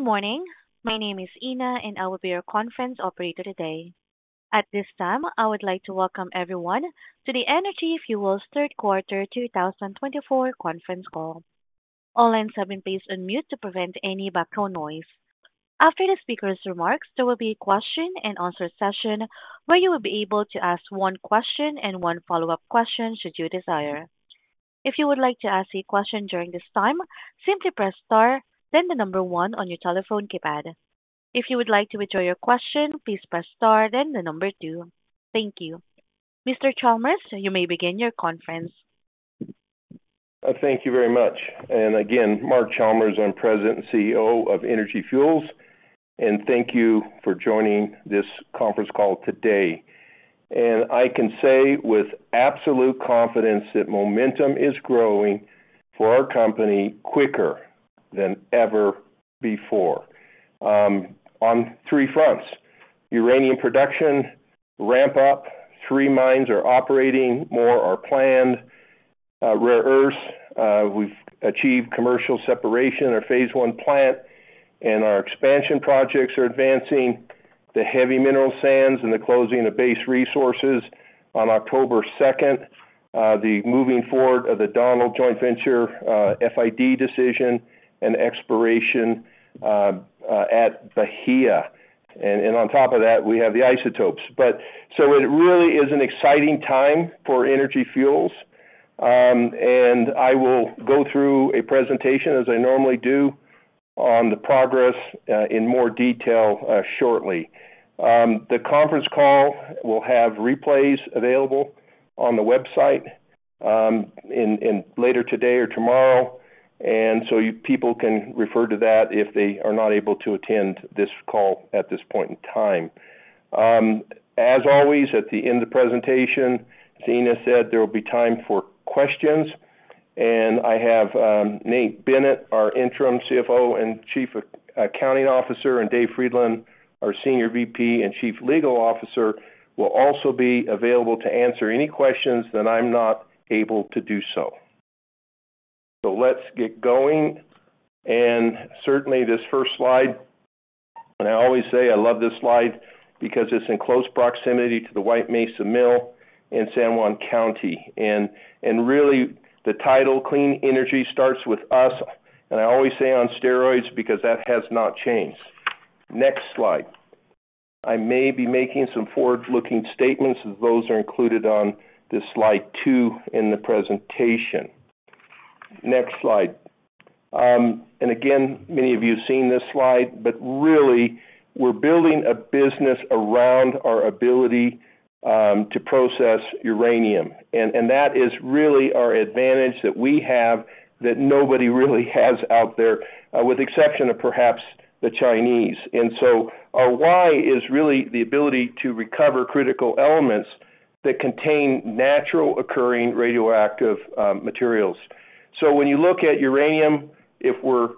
Good morning. My name is Ina, and I will be your conference operator today. At this time, I would like to welcome everyone to the Energy Fuels third quarter 2024 conference call. All lines have been placed on mute to prevent any background noise. After the speaker's remarks, there will be a question-and-answer session where you will be able to ask one question and one follow-up question should you desire. If you would like to ask a question during this time, simply press star, then the number one on your telephone keypad. If you would like to withdraw your question, please press star, then the number two. Thank you. Mr. Chalmers, you may begin your conference. Thank you very much. And again, Mark Chalmers, I'm President and CEO of Energy Fuels, and thank you for joining this conference call today. I can say with absolute confidence that momentum is growing for our company quicker than ever before on three fronts: uranium production ramp-up, three mines are operating, more are planned, rare earths. We've achieved commercial separation at Phase 1 plant, and our expansion projects are advancing the heavy mineral sands and the closing of Base Resources on October 2nd, the moving forward of the Donald Joint Venture FID decision and exploration at Bahia. On top of that, we have the isotopes. So it really is an exciting time for Energy Fuels. I will go through a presentation, as I normally do, on the progress in more detail shortly. The conference call will have replays available on the website later today or tomorrow, and so people can refer to that if they are not able to attend this call at this point in time. As always, at the end of the presentation, as Ina said, there will be time for questions, and I have Nate Bennett, our Interim CFO and Chief Accounting Officer, and Dave Friedland, our Senior VP and Chief Legal Officer, will also be available to answer any questions that I'm not able to do so, so let's get going, and certainly, this first slide, and I always say I love this slide because it's in close proximity to the White Mesa Mill in San Juan County, and really, the title, Clean Energy, starts with us, and I always say on steroids because that has not changed. Next slide. I may be making some forward-looking statements, as those are included on this slide two in the presentation. Next slide. And again, many of you have seen this slide, but really, we're building a business around our ability to process uranium. And that is really our advantage that we have that nobody really has out there, with the exception of perhaps the Chinese. And so our why is really the ability to recover critical elements that contain natural-occurring radioactive materials. So when you look at uranium, if we're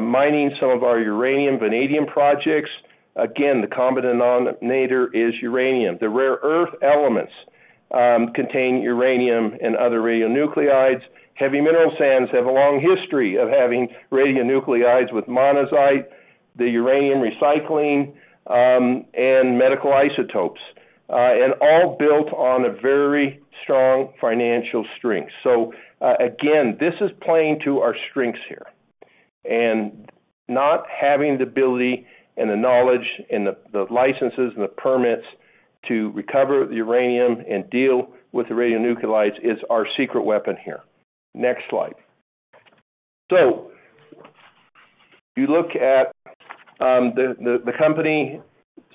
mining some of our uranium vanadium projects, again, the common denominator is uranium. The rare earth elements contain uranium and other radionuclides. Heavy mineral sands have a long history of having radionuclides with monazite, the uranium recycling, and medical isotopes, and all built on a very strong financial strength. So again, this is playing to our strengths here. And not having the ability and the knowledge and the licenses and the permits to recover the uranium and deal with the radionuclides is our secret weapon here. Next slide. So you look at the company,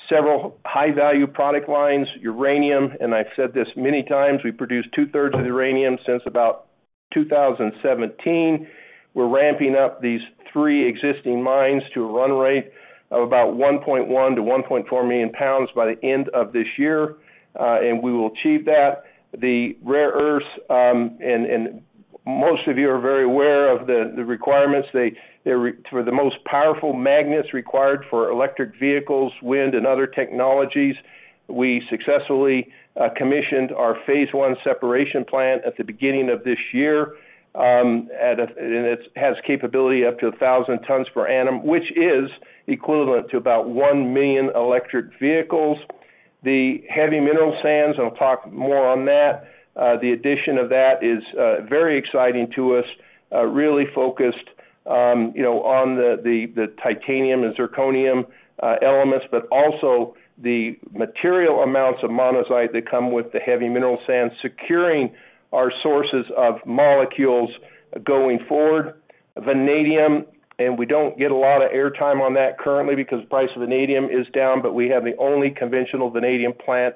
several high-value product lines, uranium, and I've said this many times, we produce 2/3 of uranium since about 2017. We're ramping up these three existing mines to a run rate of about 1.1 million pounds-1.4 million pounds by the end of this year, and we will achieve that. The rare earths, and most of you are very aware of the requirements, they're for the most powerful magnets required for electric vehicles, wind, and other technologies. We successfully commissioned Phase 1 separation plant at the beginning of this year, and it has capability up to 1,000 tons per annum, which is equivalent to about 1 million electric vehicles. The heavy mineral sands, and I'll talk more on that, the addition of that is very exciting to us, really focused on the titanium and zirconium elements, but also the material amounts of monazite that come with the heavy mineral sands securing our sources of molecules going forward. Vanadium, and we don't get a lot of airtime on that currently because the price of vanadium is down, but we have the only conventional vanadium plant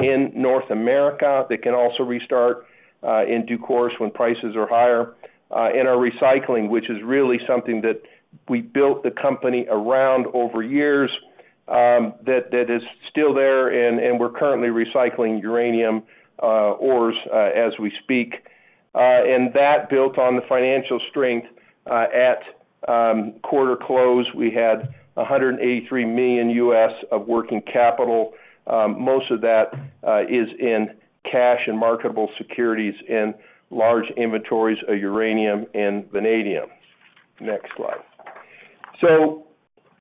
in North America that can also restart in due course when prices are higher. Our recycling, which is really something that we built the company around over years, that is still there, and we're currently recycling uranium ores as we speak. That built on the financial strength. At quarter close, we had $183 million of working capital. Most of that is in cash and marketable securities and large inventories of uranium and vanadium. Next slide. So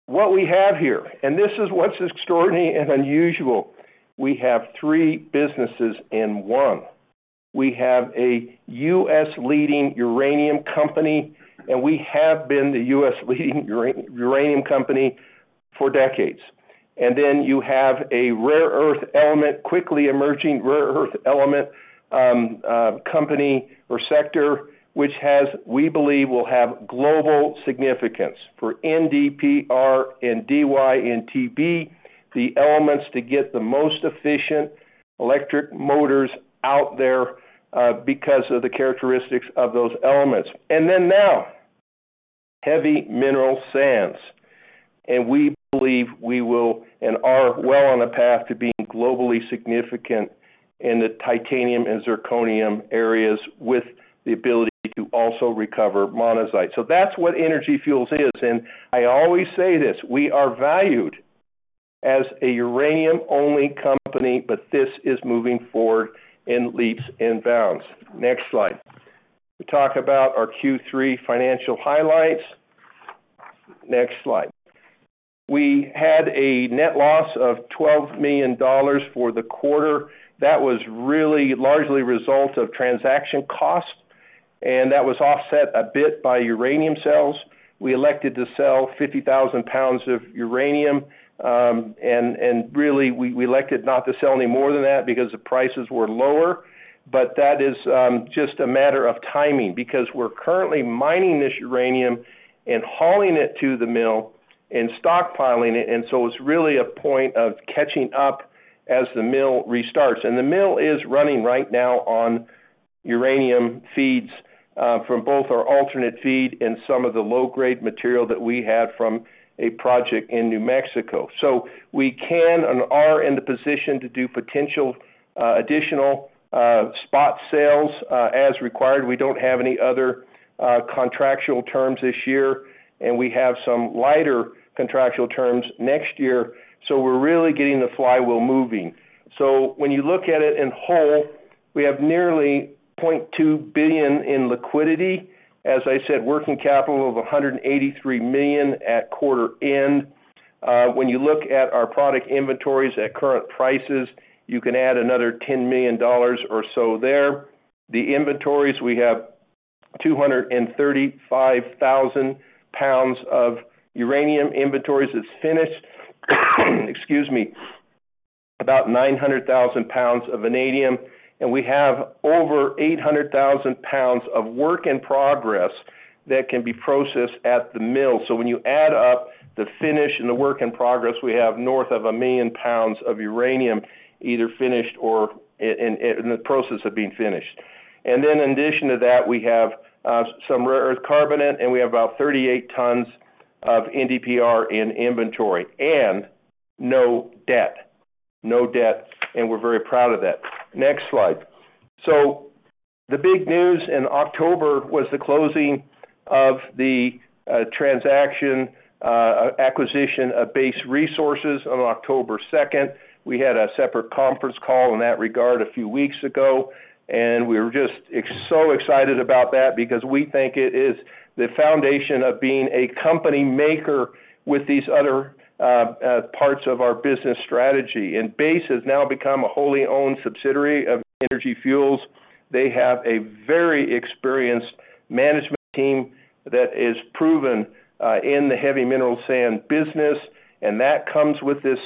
what we have here, and this is what's extraordinary and unusual. We have three businesses in one. We have a U.S.-leading uranium company, and we have been the U.S.-leading uranium company for decades. And then you have a rare earth element, quickly emerging rare earth element company or sector, which has, we believe, will have global significance for NdPr and Dy and Tb, the elements to get the most efficient electric motors out there because of the characteristics of those elements. And then now, heavy mineral sands. And we believe we will and are well on a path to being globally significant in the titanium and zirconium areas with the ability to also recover monazite. So that's what Energy Fuels is. I always say this, we are valued as a uranium-only company, but this is moving forward in leaps and bounds. Next slide. We talk about our Q3 financial highlights. Next slide. We had a net loss of $12 million for the quarter. That was really largely a result of transaction costs, and that was offset a bit by uranium sales. We elected to sell 50,000 lbs of uranium. Really, we elected not to sell any more than that because the prices were lower. That is just a matter of timing because we're currently mining this uranium and hauling it to the mill and stockpiling it. It is really a point of catching up as the mill restarts. The mill is running right now on uranium feeds from both our alternate feed and some of the low-grade material that we had from a project in New Mexico. We can and are in the position to do potential additional spot sales as required. We don't have any other contractual terms this year, and we have some lighter contractual terms next year. We're really getting the flywheel moving. When you look at it in whole, we have nearly $0.2 billion in liquidity. As I said, working capital of $183 million at quarter end. When you look at our product inventories at current prices, you can add another $10 million or so there. The inventories, we have 235,000 lbs of uranium inventories that's finished. Excuse me, about 900,000 lbs of vanadium. And we have over 800,000 lbs of work in progress that can be processed at the mill. So when you add up the finished and the work in progress, we have north of a million pounds of uranium either finished or in the process of being finished. And then in addition to that, we have some rare earth carbonate, and we have about 38 tons of NdPr in inventory. And no debt. No debt. And we're very proud of that. Next slide. So the big news in October was the closing of the transaction acquisition of Base Resources on October 2nd. We had a separate conference call in that regard a few weeks ago, and we were just so excited about that because we think it is the foundation of being a company maker with these other parts of our business strategy. Base has now become a wholly owned subsidiary of Energy Fuels. They have a very experienced management team that is proven in the heavy mineral sands business. That comes with this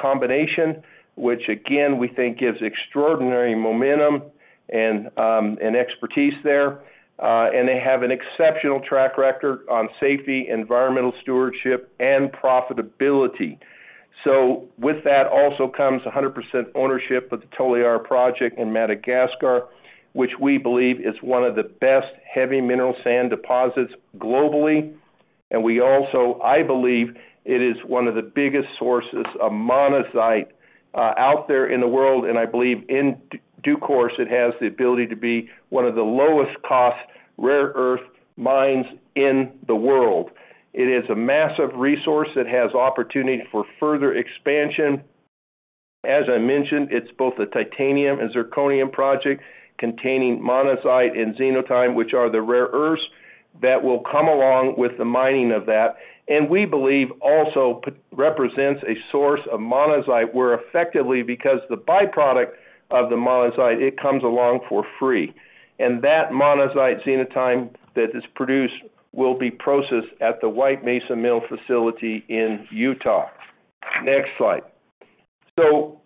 combination, which again, we think gives extraordinary momentum and expertise there. They have an exceptional track record on safety, environmental stewardship, and profitability. With that also comes 100% ownership of the Toliara project in Madagascar, which we believe is one of the best heavy mineral sands deposits globally. We also, I believe, it is one of the biggest sources of monazite out there in the world. I believe in due course, it has the ability to be one of the lowest-cost rare earth mines in the world. It is a massive resource that has opportunity for further expansion. As I mentioned, it's both the titanium and zirconium project containing monazite and xenotime, which are the rare earths that will come along with the mining of that. And we believe also represents a source of monazite where effectively because the byproduct of the monazite, it comes along for free. And that monazite xenotime that is produced will be processed at the White Mesa Mill facility in Utah. Next slide. So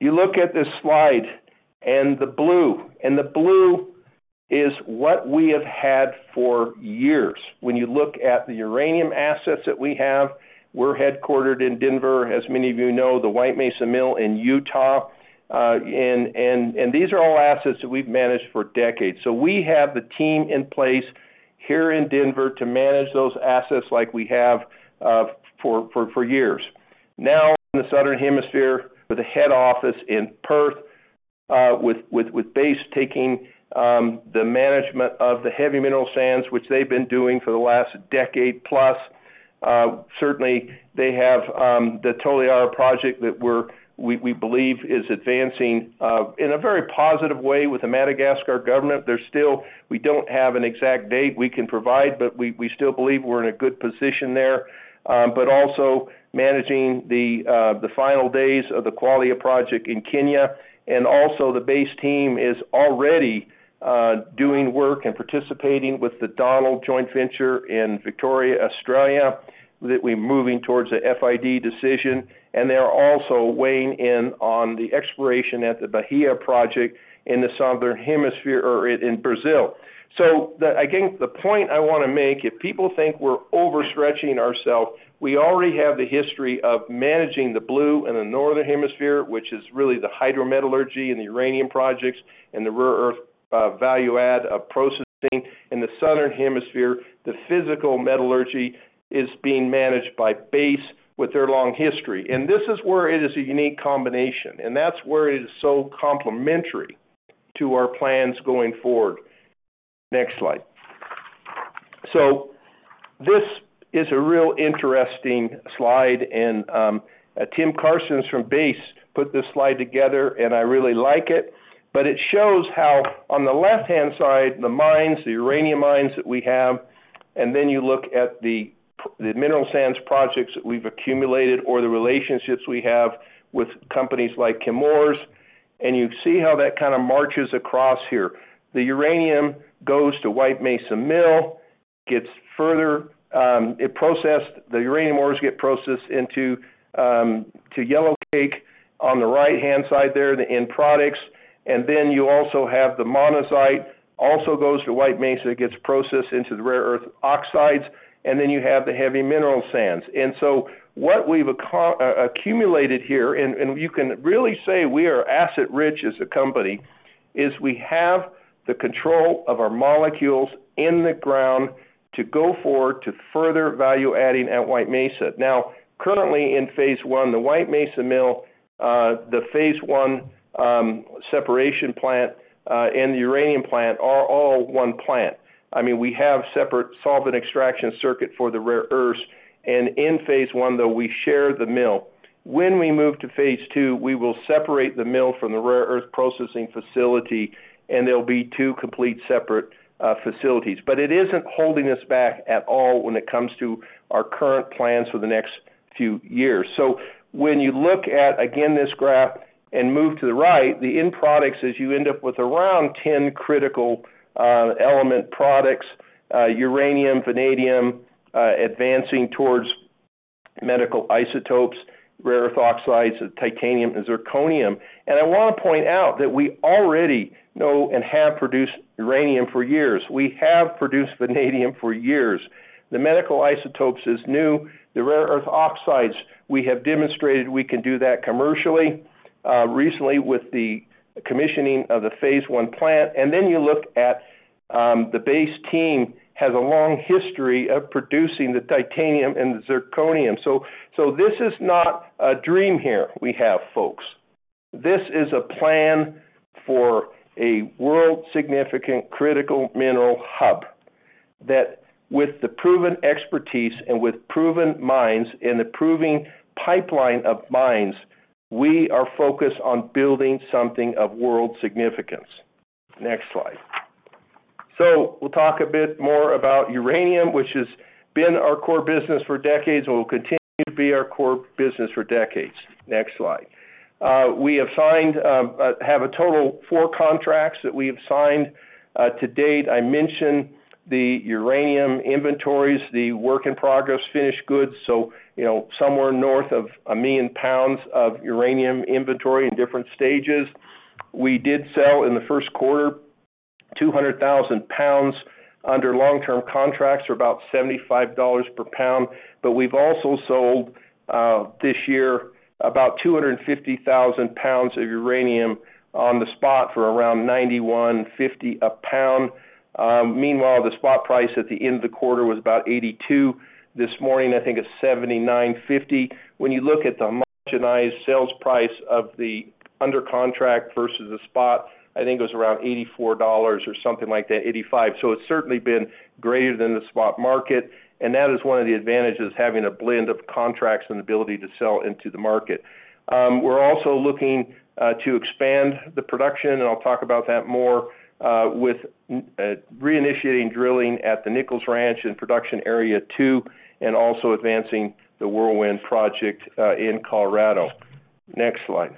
you look at this slide and the blue, and the blue is what we have had for years. When you look at the uranium assets that we have, we're headquartered in Denver, as many of you know, the White Mesa Mill in Utah. And these are all assets that we've managed for decades. So we have the team in place here in Denver to manage those assets like we have for years. Now, in the Southern Hemisphere with a head office in Perth with Base taking the management of the heavy mineral sands, which they've been doing for the last decade plus. Certainly, they have the Toliara Project that we believe is advancing in a very positive way with the Madagascar government. There's still, we don't have an exact date we can provide, but we still believe we're in a good position there. But also managing the final days of the Kwale Project in Kenya. And also the Base team is already doing work and participating with the Donald Joint Venture in Victoria, Australia, that we're moving towards an FID decision. And they're also weighing in on the exploration at the Bahia Project in the Southern Hemisphere or in Brazil. I think the point I want to make, if people think we're overstretching ourselves, we already have the history of managing the blue in the Northern Hemisphere, which is really the hydrometallurgy and the uranium projects and the rare earth value add of processing. In the Southern Hemisphere, the physical metallurgy is being managed by Base with their long history, and this is where it is a unique combination, and that's where it is so complementary to our plans going forward. Next slide. This is a real interesting slide, and Tim Carstens from Base put this slide together, and I really like it. But it shows how on the left-hand side, the mines, the uranium mines that we have, and then you look at the mineral sands projects that we've accumulated or the relationships we have with companies like Chemours. And you see how that kind of marches across here. The uranium goes to White Mesa Mill. It gets further, the uranium ores get processed into yellowcake on the right-hand side there in products. And then you also have the monazite, also goes to White Mesa, gets processed into the rare earth oxides. And then you have the heavy mineral sands. And so what we've accumulated here, and you can really say we are asset-rich as a company, is we have the control of our molecules in the ground to go forward to further value adding at White Mesa. Now, currently Phase 1, the White Mesa Mill, Phase 1 separation plant, and the uranium plant are all one plant. I mean, we have separate solvent extraction circuit for the rare earths. And Phase 1, though, we share the mill. When we move Phase 2, we will separate the mill from the rare earth processing facility, and there'll be two complete separate facilities. But it isn't holding us back at all when it comes to our current plans for the next few years. So when you look at, again, this graph and move to the right, the end products is you end up with around 10 critical element products, uranium, vanadium, advancing towards medical isotopes, rare earth oxides, titanium, and zirconium. And I want to point out that we already know and have produced uranium for years. We have produced vanadium for years. The medical isotopes is new. The rare earth oxides, we have demonstrated we can do that commercially recently with the commissioning of Phase 1 plant. And then you look at the Base team has a long history of producing the titanium and the zirconium. So this is not a dream here, we have folks. This is a plan for a world-significant critical mineral hub that with the proven expertise and with proven mines and the proven pipeline of mines, we are focused on building something of world significance. Next slide. So we'll talk a bit more about uranium, which has been our core business for decades and will continue to be our core business for decades. Next slide. We have signed, have a total of four contracts that we have signed to date. I mentioned the uranium inventories, the work in progress, finished goods. So somewhere north of a million pounds of uranium inventory in different stages. We did sell in the first quarter 200,000 lbs under long-term contracts for about $75 per pound. But we've also sold this year about 250,000 lbs of uranium on the spot for around $91.50 a pound. Meanwhile, the spot price at the end of the quarter was about $82. This morning, I think it's $79.50. When you look at the realized sales price of the under contract versus the spot, I think it was around $84 or something like that, $85. So it's certainly been greater than the spot market, and that is one of the advantages of having a blend of contracts and the ability to sell into the market. We're also looking to expand the production, and I'll talk about that more with reinitiating drilling at the Nichols Ranch and Production Area 2 and also advancing the Whirlwind Project in Colorado. Next slide.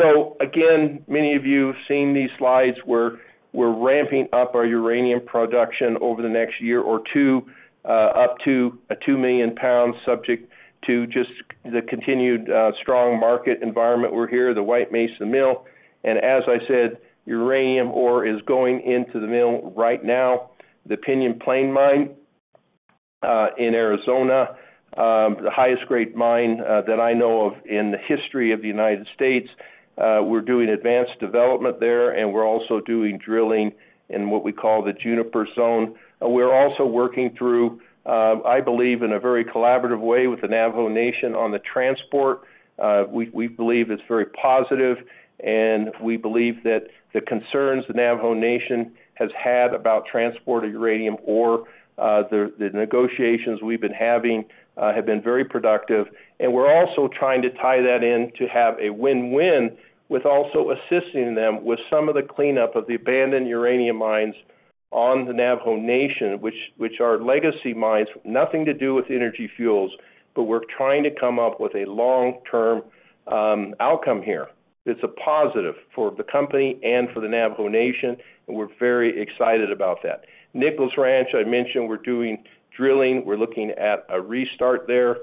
So again, many of you have seen these slides where we're ramping up our uranium production over the next year or two up to 2 million pounds, subject to just the continued strong market environment. We're here at the White Mesa Mill. And as I said, uranium ore is going into the mill right now, the Pinyon Plain Mine in Arizona, the highest grade mine that I know of in the history of the United States. We're doing advanced development there, and we're also doing drilling in what we call the Juniper Zone. We're also working through, I believe, in a very collaborative way with the Navajo Nation on the transport. We believe it's very positive. And we believe that the concerns the Navajo Nation has had about transporting uranium ore, the negotiations we've been having have been very productive. And we're also trying to tie that in to have a win-win with also assisting them with some of the cleanup of the abandoned uranium mines on the Navajo Nation, which are legacy mines, nothing to do with Energy Fuels, but we're trying to come up with a long-term outcome here. It's a positive for the company and for the Navajo Nation, and we're very excited about that. Nichols Ranch, I mentioned we're doing drilling. We're looking at a restart there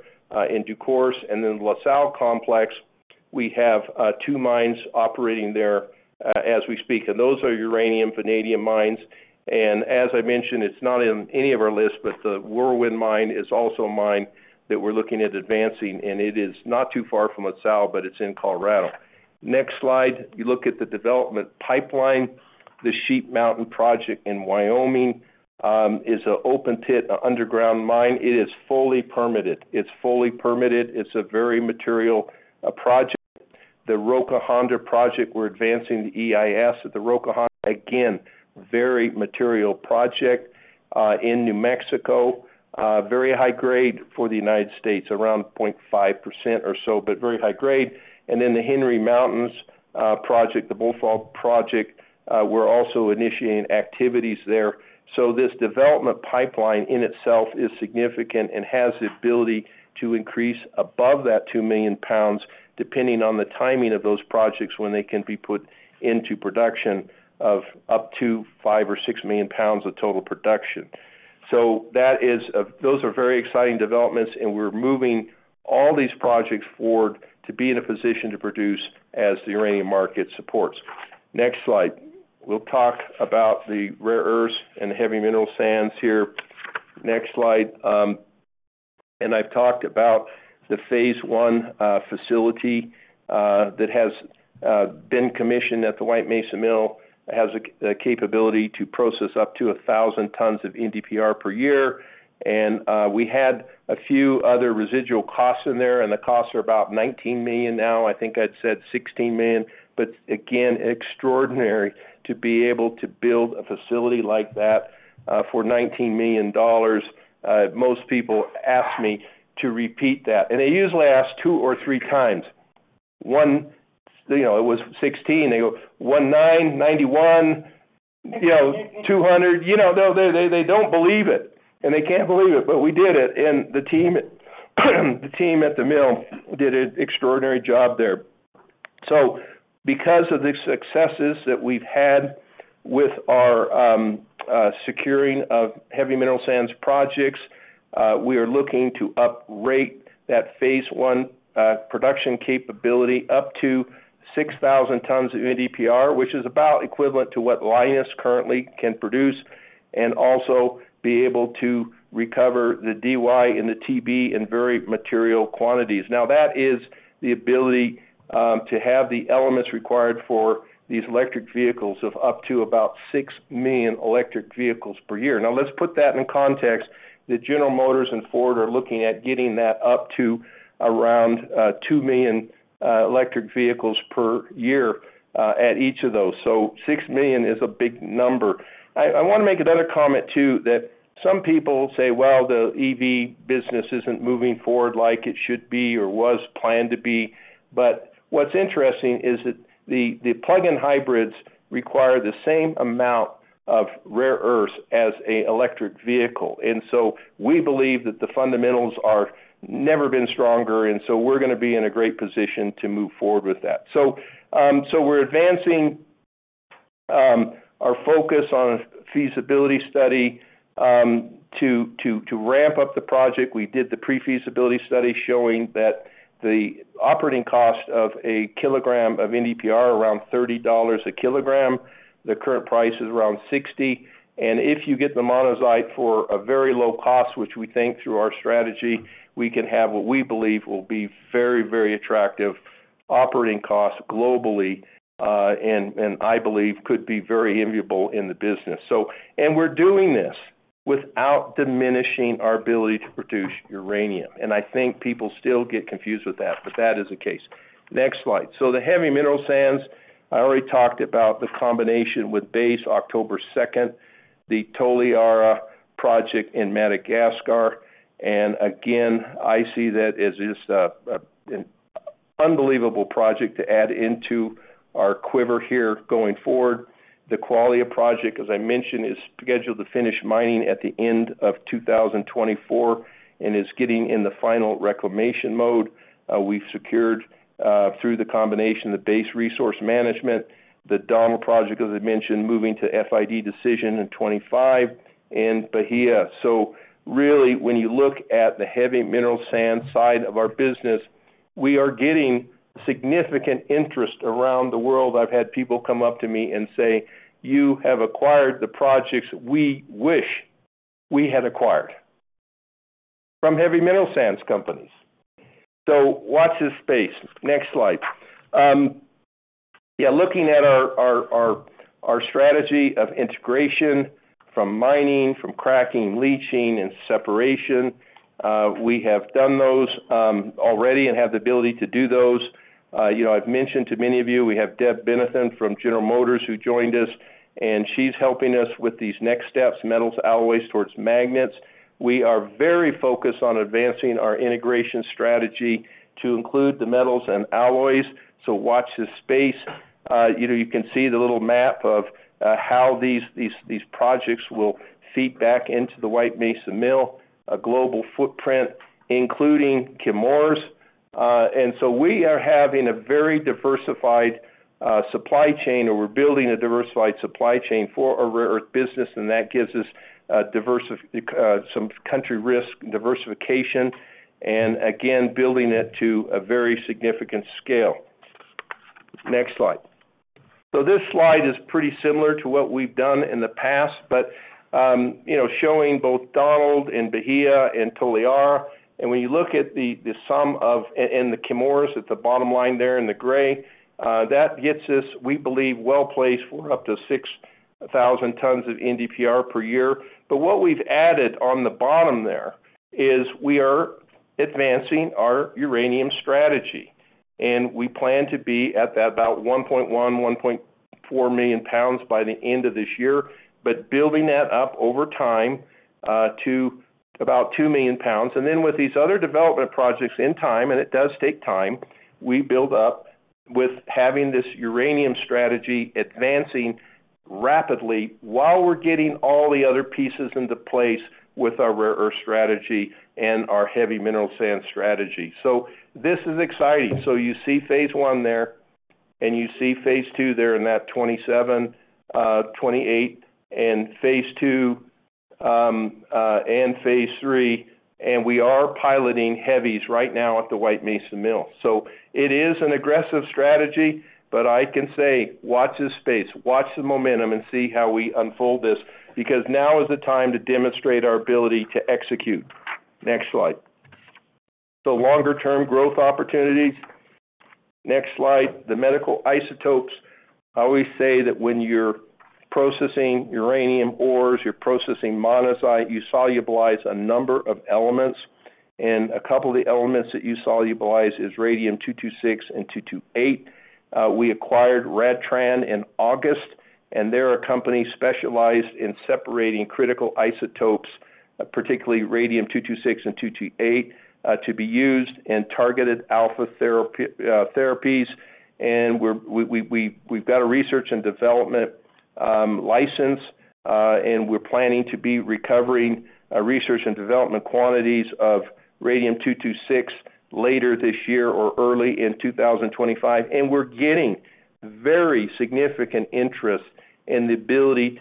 in due course. And then La Sal Complex, we have two mines operating there as we speak. And those are uranium vanadium mines. And as I mentioned, it's not in any of our list, but the Whirlwind Mine is also a mine that we're looking at advancing. And it is not too far from La Sal, but it's in Colorado. Next slide. You look at the development pipeline. The Sheep Mountain Project in Wyoming is an open-pit underground mine. It is fully permitted. It's fully permitted. It's a very material project. The Roca Honda Project, we're advancing the EIS at the Roca Honda. Again, very material project in New Mexico, very high grade for the United States, around 0.5% or so, but very high grade, and then the Henry Mountains Project, the Bullfrog Project, we're also initiating activities there, so this development pipeline in itself is significant and has the ability to increase above that 2 million pounds depending on the timing of those projects when they can be put into production of up to 5 million pounds or 6 million pounds of total production, so those are very exciting developments, and we're moving all these projects forward to be in a position to produce as the uranium market supports. Next slide. We'll talk about the rare earths and heavy mineral sands here. Next slide. I've talked about Phase 1 facility that has been commissioned at the White Mesa Mill, has a capability to process up to 1,000 tons of NdPr per year. We had a few other residual costs in there, and the costs are about $19 million now. I think I'd said $16 million. Again, extraordinary to be able to build a facility like that for $19 million. Most people ask me to repeat that. They usually ask two or three times. One, it was 16. They go, "19, 91, 200." They don't believe it. They can't believe it, but we did it. The team at the mill did an extraordinary job there. So because of the successes that we've had with our securing of heavy mineral sands projects, we are looking to uprate Phase 1 production capability up to 6,000 tons of NdPr, which is about equivalent to what Lynas currently can produce and also be able to recover the Dy and the Tb in very material quantities. Now, that is the ability to have the elements required for these electric vehicles of up to about 6 million electric vehicles per year. Now, let's put that in context. The General Motors and Ford are looking at getting that up to around 2 million electric vehicles per year at each of those. So 6 million is a big number. I want to make another comment too that some people say, "Well, the EV business isn't moving forward like it should be or was planned to be." But what's interesting is that the plug-in hybrids require the same amount of rare earths as an electric vehicle. And so we believe that the fundamentals are never been stronger. And so we're going to be in a great position to move forward with that. So we're advancing our focus on a feasibility study to ramp up the project. We did the pre-feasibility study showing that the operating cost of a kilogram of NdPr, around $30 a kilogram, the current price is around $60. And if you get the monazite for a very low cost, which we think through our strategy, we can have what we believe will be very, very attractive operating costs globally. I believe it could be very enviable in the business. We're doing this without diminishing our ability to produce uranium. I think people still get confused with that, but that is the case. Next slide. The heavy mineral sands, I already talked about the combination with Base October 2nd, the Toliara Project in Madagascar. Again, I see that as just an unbelievable project to add into our quiver here going forward. The Kwale Project, as I mentioned, is scheduled to finish mining at the end of 2024 and is getting in the final reclamation mode. We've secured through the combination of the Base Resources the Donald project, as I mentioned, moving to FID decision in 2025, and Bahia. Really, when you look at the heavy mineral sands side of our business, we are getting significant interest around the world. I've had people come up to me and say, "You have acquired the projects we wish we had acquired from heavy mineral sands companies." So watch this space. Next slide. Yeah, looking at our strategy of integration from mining, from cracking, leaching, and separation, we have done those already and have the ability to do those. I've mentioned to many of you, we have Deb Benathan from General Motors who joined us, and she's helping us with these next steps, metals, alloys towards magnets. We are very focused on advancing our integration strategy to include the metals and alloys. So watch this space. You can see the little map of how these projects will feed back into the White Mesa Mill, a global footprint, including Chemours. And so we are having a very diversified supply chain, or we're building a diversified supply chain for our rare earth business, and that gives us some country risk diversification and, again, building it to a very significant scale. Next slide. So this slide is pretty similar to what we've done in the past but showing both Donald and Bahia and Toliara. And when you look at the sum of and the Chemours at the bottom line there in the gray, that gets us, we believe, well placed for up to 6,000 tons of NdPr per year. But what we've added on the bottom there is we are advancing our uranium strategy. And we plan to be at about 1.1 million pounds-1.4 million pounds by the end of this year, but building that up over time to about 2 million pounds. And then with these other development projects in time, and it does take time, we build up with having this uranium strategy advancing rapidly while we're getting all the other pieces into place with our rare earth strategy and our heavy mineral sands strategy. So this is exciting. So you Phase 1 there, and you Phase 2 there in that 27, 28, Phase 2 and Phase 3. and we are piloting heavies right now at the White Mesa Mill. So it is an aggressive strategy, but I can say, "Watch this space. Watch the momentum and see how we unfold this," because now is the time to demonstrate our ability to execute. Next slide. The longer-term growth opportunities. Next slide. The medical isotopes. I always say that when you're processing uranium ores, you're processing monazite, you solubilize a number of elements. A couple of the elements that you solubilize is Radium-226 and Radium-228. We acquired RadTran in August, and they're a company specialized in separating critical isotopes, particularly Radium-226 and Radium-228, to be used in targeted alpha therapies. We've got a research and development license, and we're planning to be recovering research and development quantities of Radium-226 later this year or early in 2025. We're getting very significant interest in the ability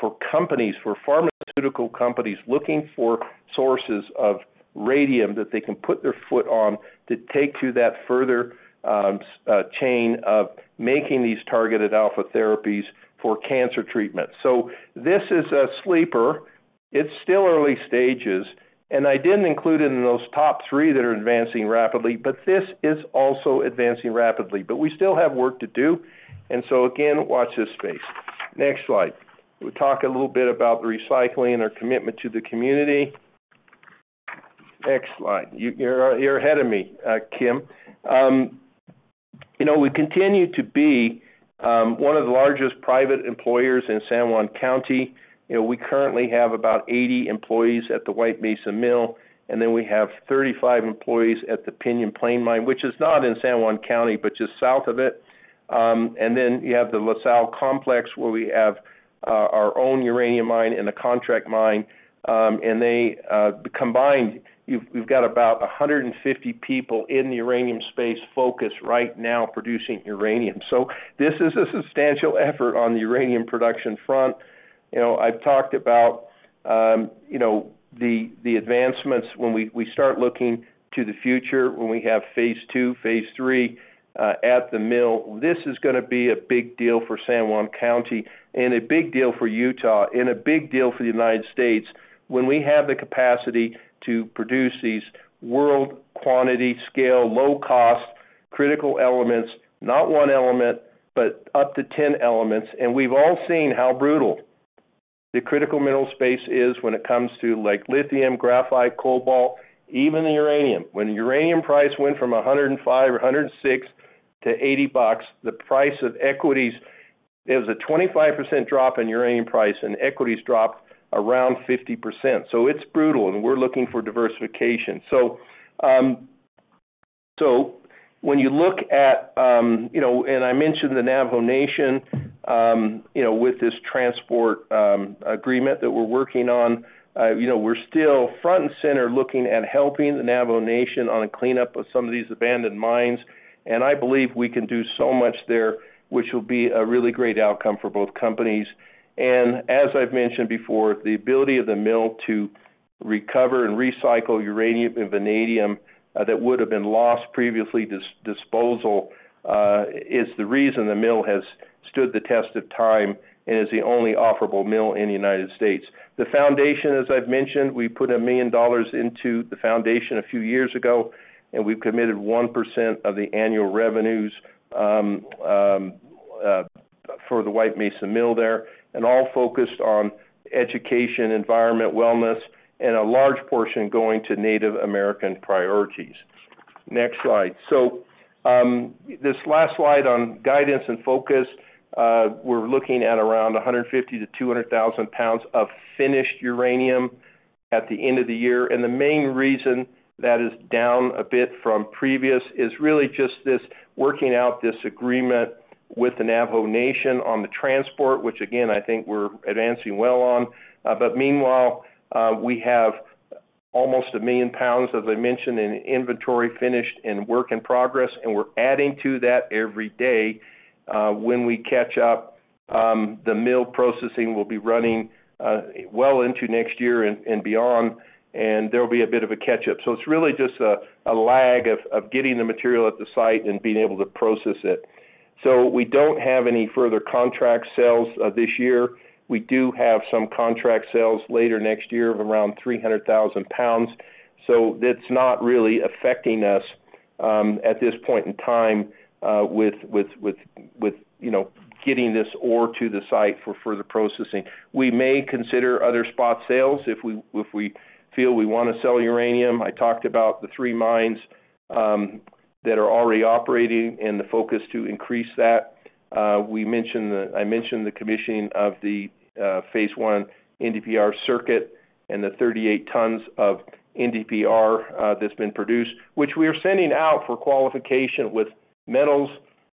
for companies, for pharmaceutical companies looking for sources of radium that they can put their foot on to take to that further chain of making these targeted alpha therapies for cancer treatment. This is a sleeper. It's still early stages. I didn't include in those top three that are advancing rapidly, but this is also advancing rapidly. We still have work to do. Again, watch this space. Next slide. We'll talk a little bit about the recycling and our commitment to the community. Next slide. You're ahead of me, Kim. We continue to be one of the largest private employers in San Juan County. We currently have about 80 employees at the White Mesa Mill, and then we have 35 employees at the Pinyon Plain Mine, which is not in San Juan County, but just south of it. And then you have the La Sal Complex where we have our own uranium mine and a contract mine. And combined, we've got about 150 people in the uranium space focused right now producing uranium. So this is a substantial effort on the uranium production front. I've talked about the advancements when we start looking to the future when we have Phase 3 at the mill. This is going to be a big deal for San Juan County and a big deal for Utah and a big deal for the United States when we have the capacity to produce these world-quantity scale, low-cost critical elements, not one element, but up to 10 elements. We've all seen how brutal the critical mineral space is when it comes to lithium, graphite, cobalt, even the uranium. When the uranium price went from $105 or $106 to $80, the price of equities, there was a 25% drop in uranium price, and equities dropped around 50%. It's brutal, and we're looking for diversification. When you look at, and I mentioned the Navajo Nation with this transport agreement that we're working on, we're still front and center looking at helping the Navajo Nation on a cleanup of some of these abandoned mines. I believe we can do so much there, which will be a really great outcome for both companies. As I've mentioned before, the ability of the mill to recover and recycle uranium and vanadium that would have been lost previously to disposal is the reason the mill has stood the test of time and is the only operable mill in the United States. The foundation, as I've mentioned, we put $1 million into the foundation a few years ago, and we've committed 1% of the annual revenues for the White Mesa Mill there. All focused on education, environment, wellness, and a large portion going to Native American priorities. Next slide. This last slide on guidance and focus, we're looking at around 150,000 lbs-200,000 lbs of finished uranium at the end of the year. The main reason that is down a bit from previous is really just this working out this agreement with the Navajo Nation on the transport, which again, I think we're advancing well on. But meanwhile, we have almost a million pounds, as I mentioned, in inventory finished and work in progress, and we're adding to that every day. When we catch up, the mill processing will be running well into next year and beyond, and there'll be a bit of a catch-up. So it's really just a lag of getting the material at the site and being able to process it. So we don't have any further contract sales this year. We do have some contract sales later next year of around 300,000 lbs. So it's not really affecting us at this point in time with getting this ore to the site for further processing. We may consider other spot sales if we feel we want to sell uranium. I talked about the three mines that are already operating and the focus to increase that. I mentioned the commissioning of Phase 1 NdPr circuit and the 38 tons of NdPr that's been produced, which we are sending out for qualification with metals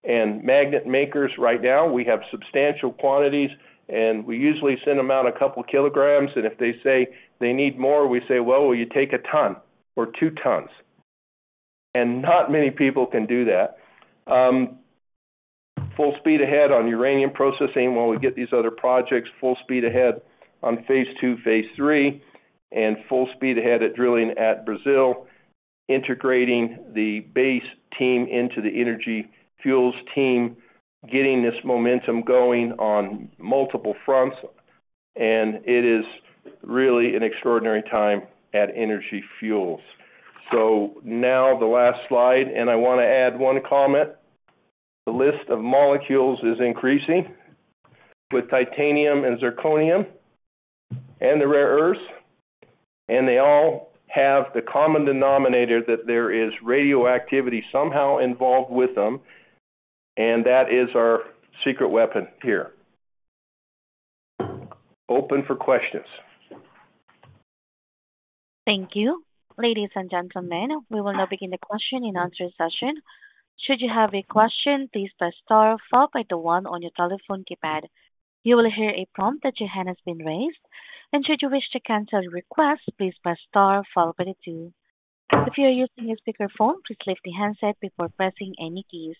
and magnet makers right now. We have substantial quantities, and we usually send them out a couple of kilograms. And if they say they need more, we say, "Well, will you take a ton or two tons?" And not many people can do that. Full speed ahead on uranium processing while we get these other projects, full speed ahead on Phase 3, and full speed ahead at drilling at Brazil, integrating the Base team into the Energy Fuels team, getting this momentum going on multiple fronts. And it is really an extraordinary time at Energy Fuels. So now the last slide, and I want to add one comment. The list of molecules is increasing with titanium and zirconium and the rare earths. And they all have the common denominator that there is radioactivity somehow involved with them, and that is our secret weapon here. Open for questions. Thank you. Ladies and gentlemen, we will now begin the question and answer session. Should you have a question, please press star, followed by the one on your telephone keypad. You will hear a prompt that your hand has been raised. And should you wish to cancel your request, please press star, followed by the two. If you are using a speakerphone, please lift the handset before pressing any keys.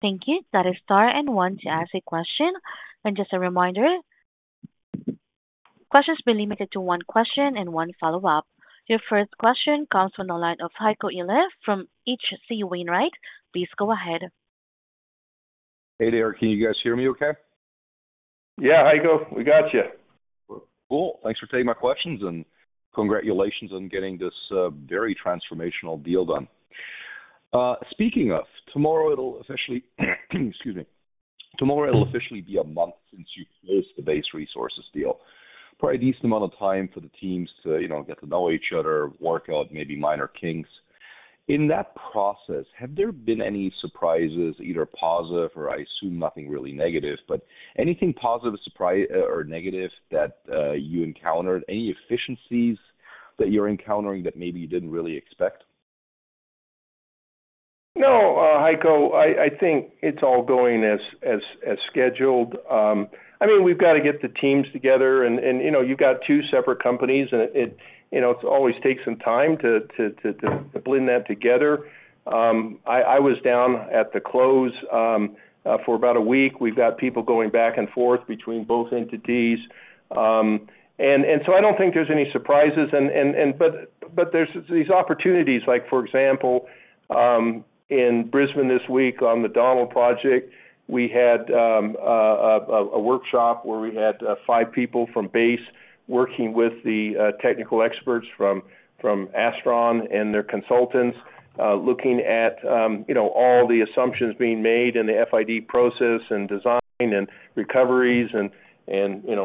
Thank you. That is star and one to ask a question. And just a reminder, questions will be limited to one question and one follow-up. Your first question comes from the line of Heiko Ihle from H.C. Wainwright. Please go ahead. Hey, there. Can you guys hear me okay? Yeah, Heiko. We got you. Cool. Thanks for taking my questions, and congratulations on getting this very transformational deal done. Speaking of, tomorrow it'll officially, excuse me, tomorrow it'll officially be a month since you closed the Base Resources deal. Probably a decent amount of time for the teams to get to know each other, work out maybe minor kinks. In that process, have there been any surprises, either positive or I assume nothing really negative, but anything positive or negative that you encountered? Any efficiencies that you're encountering that maybe you didn't really expect? No, Heiko. I think it's all going as scheduled. I mean, we've got to get the teams together, and you've got two separate companies, and it always takes some time to blend that together. I was down at the close for about a week. We've got people going back and forth between both entities. And so I don't think there's any surprises. But there's these opportunities. For example, in Brisbane this week on the Donald project, we had a workshop where we had five people from Base working with the technical experts from Astron and their consultants looking at all the assumptions being made in the FID process and design and recoveries and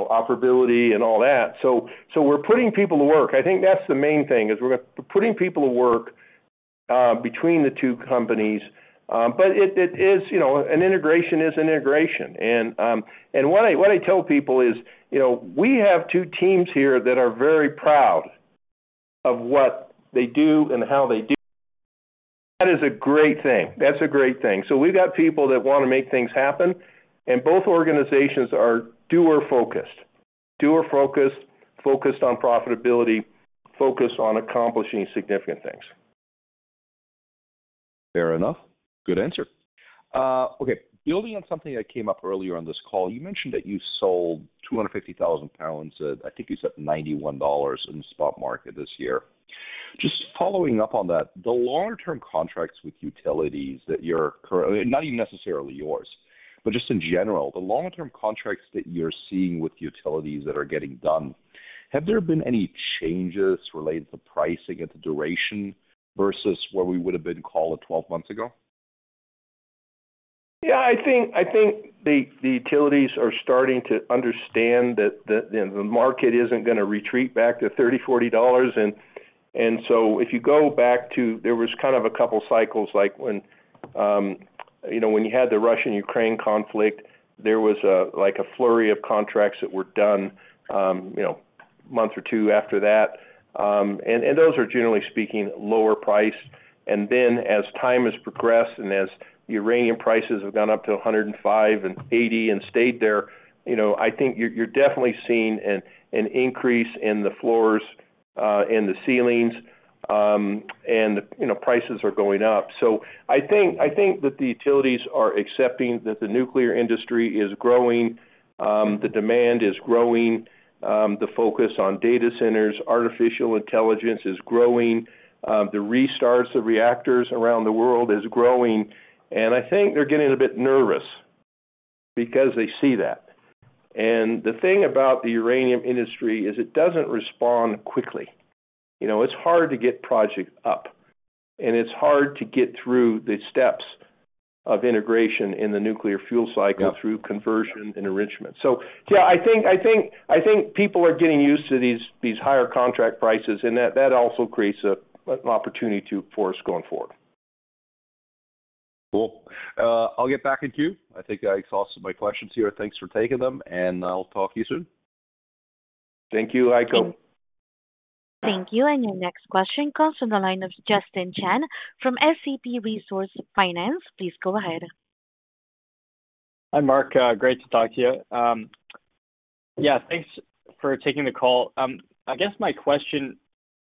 operability and all that. So we're putting people to work. I think that's the main thing is we're putting people to work between the two companies. But it is an integration. It is an integration. And what I tell people is we have two teams here that are very proud of what they do and how they do. That is a great thing. That's a great thing. So we've got people that want to make things happen, and both organizations are doer-focused. Doer-focused, focused on profitability, focused on accomplishing significant things. Fair enough. Good answer. Okay. Building on something that came up earlier on this call, you mentioned that you sold 250,000 lbs at, I think you said, $91 in the spot market this year. Just following up on that, the longer-term contracts with utilities that you're currently, not even necessarily yours, but just in general, the longer-term contracts that you're seeing with utilities that are getting done, have there been any changes related to pricing and to duration versus where we would have been called 12 months ago? Yeah. I think the utilities are starting to understand that the market isn't going to retreat back to $30-$40. And so if you go back to, there was kind of a couple of cycles like when you had the Russia-Ukraine conflict, there was a flurry of contracts that were done a month or two after that. And those are, generally speaking, lower priced. And then as time has progressed and as uranium prices have gone up to $105 and $80 and stayed there, I think you're definitely seeing an increase in the floors and the ceilings, and prices are going up. So I think that the utilities are accepting that the nuclear industry is growing, the demand is growing, the focus on data centers, artificial intelligence is growing, the restarts of reactors around the world is growing. And I think they're getting a bit nervous because they see that. And the thing about the uranium industry is it doesn't respond quickly. It's hard to get projects up, and it's hard to get through the steps of integration in the nuclear fuel cycle through conversion and enrichment. So yeah, I think people are getting used to these higher contract prices, and that also creates an opportunity for us going forward. Cool. I'll get back to you. I think I exhausted my questions here. Thanks for taking them, and I'll talk to you soon. Thank you, Heiko. Thank you. And your next question comes from the line of Justin Chan from SCP Resource Finance. Please go ahead. Hi, Mark. Great to talk to you. Yeah. Thanks for taking the call. I guess my question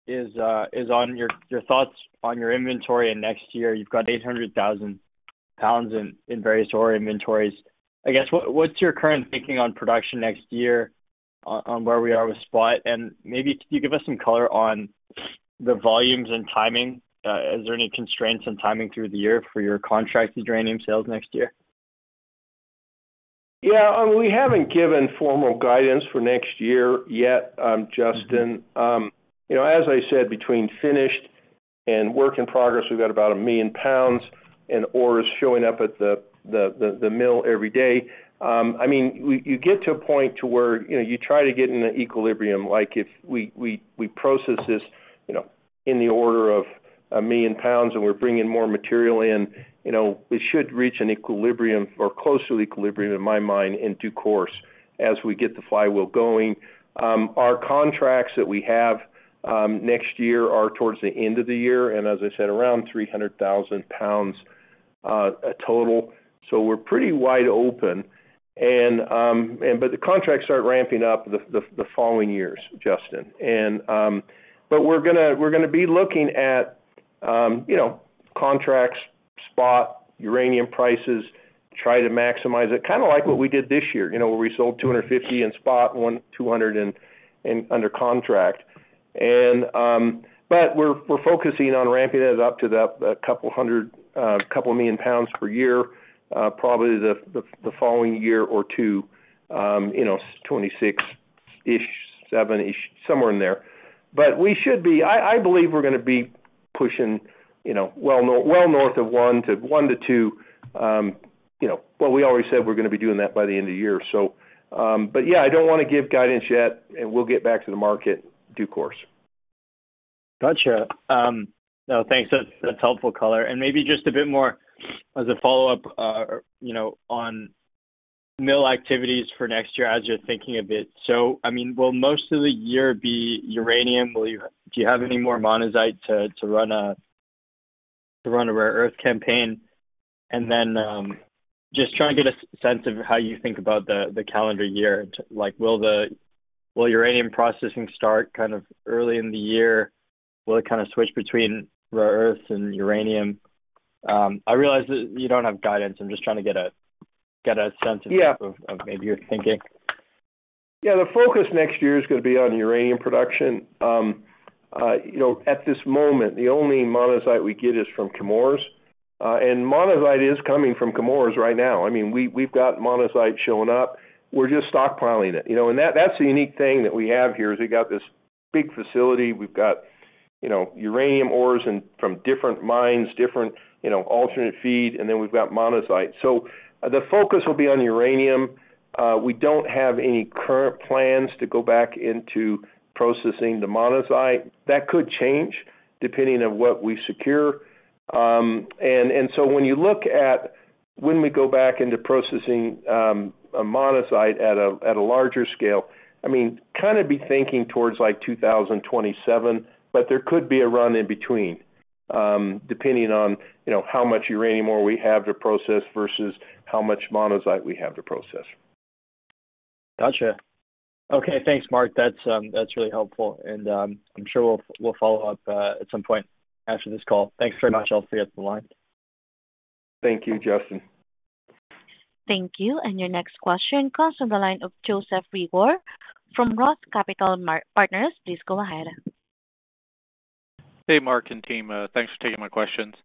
is on your thoughts on your inventory in next year. You've got 800,000 lbs in various ore inventories. I guess what's your current thinking on production next year on where we are with spot? And maybe could you give us some color on the volumes and timing? Is there any constraints on timing through the year for your contracted uranium sales next year? Yeah. We haven't given formal guidance for next year yet, Justin. As I said, between finished and work in progress, we've got about a million pounds in ores showing up at the mill every day. I mean, you get to a point to where you try to get in an equilibrium. If we process this in the order of a million pounds and we're bringing more material in, it should reach an equilibrium or close to equilibrium in my mind in due course as we get the flywheel going. Our contracts that we have next year are towards the end of the year, and as I said, around 300,000 lbs total. So we're pretty wide open. But the contracts start ramping up the following years, Justin. But we're going to be looking at contracts, spot, uranium prices, try to maximize it, kind of like what we did this year where we sold 250 in spot, 200 under contract. But we're focusing on ramping it up to a couple million pounds per year, probably the following year or two, 2026-ish, 2027-ish, somewhere in there. But we should be. I believe we're going to be pushing well north of one to two. Well, we always said we're going to be doing that by the end of the year. But yeah, I don't want to give guidance yet, and we'll get back to the market in due course. Gotcha. No, thanks. That's helpful color. Maybe just a bit more as a follow-up on mill activities for next year as you're thinking of it. So I mean, will most of the year be uranium? Do you have any more monazite to run a rare earth campaign? And then just trying to get a sense of how you think about the calendar year. Will uranium processing start kind of early in the year? Will it kind of switch between rare earths and uranium? I realize that you don't have guidance. I'm just trying to get a sense of maybe your thinking. Yeah. The focus next year is going to be on uranium production. At this moment, the only monazite we get is from Chemours. And monazite is coming from Chemours right now. I mean, we've got monazite showing up. We're just stockpiling it. And that's the unique thing that we have here is we've got this big facility. We've got uranium ores from different mines, different alternate feed, and then we've got monazite. So the focus will be on uranium. We don't have any current plans to go back into processing the monazite. That could change depending on what we secure. And so when you look at when we go back into processing monazite at a larger scale, I mean, kind of be thinking towards 2027, but there could be a run in between depending on how much uranium ore we have to process versus how much monazite we have to process. Gotcha. Okay. Thanks, Mark. That's really helpful. And I'm sure we'll follow up at some point after this call. Thanks very much. I'll see you at the line. Thank you, Justin. Thank you. Your next question comes from the line of Joseph Reagor from Roth Capital Partners. Please go ahead. Hey, Mark and team. Thanks for taking my questions.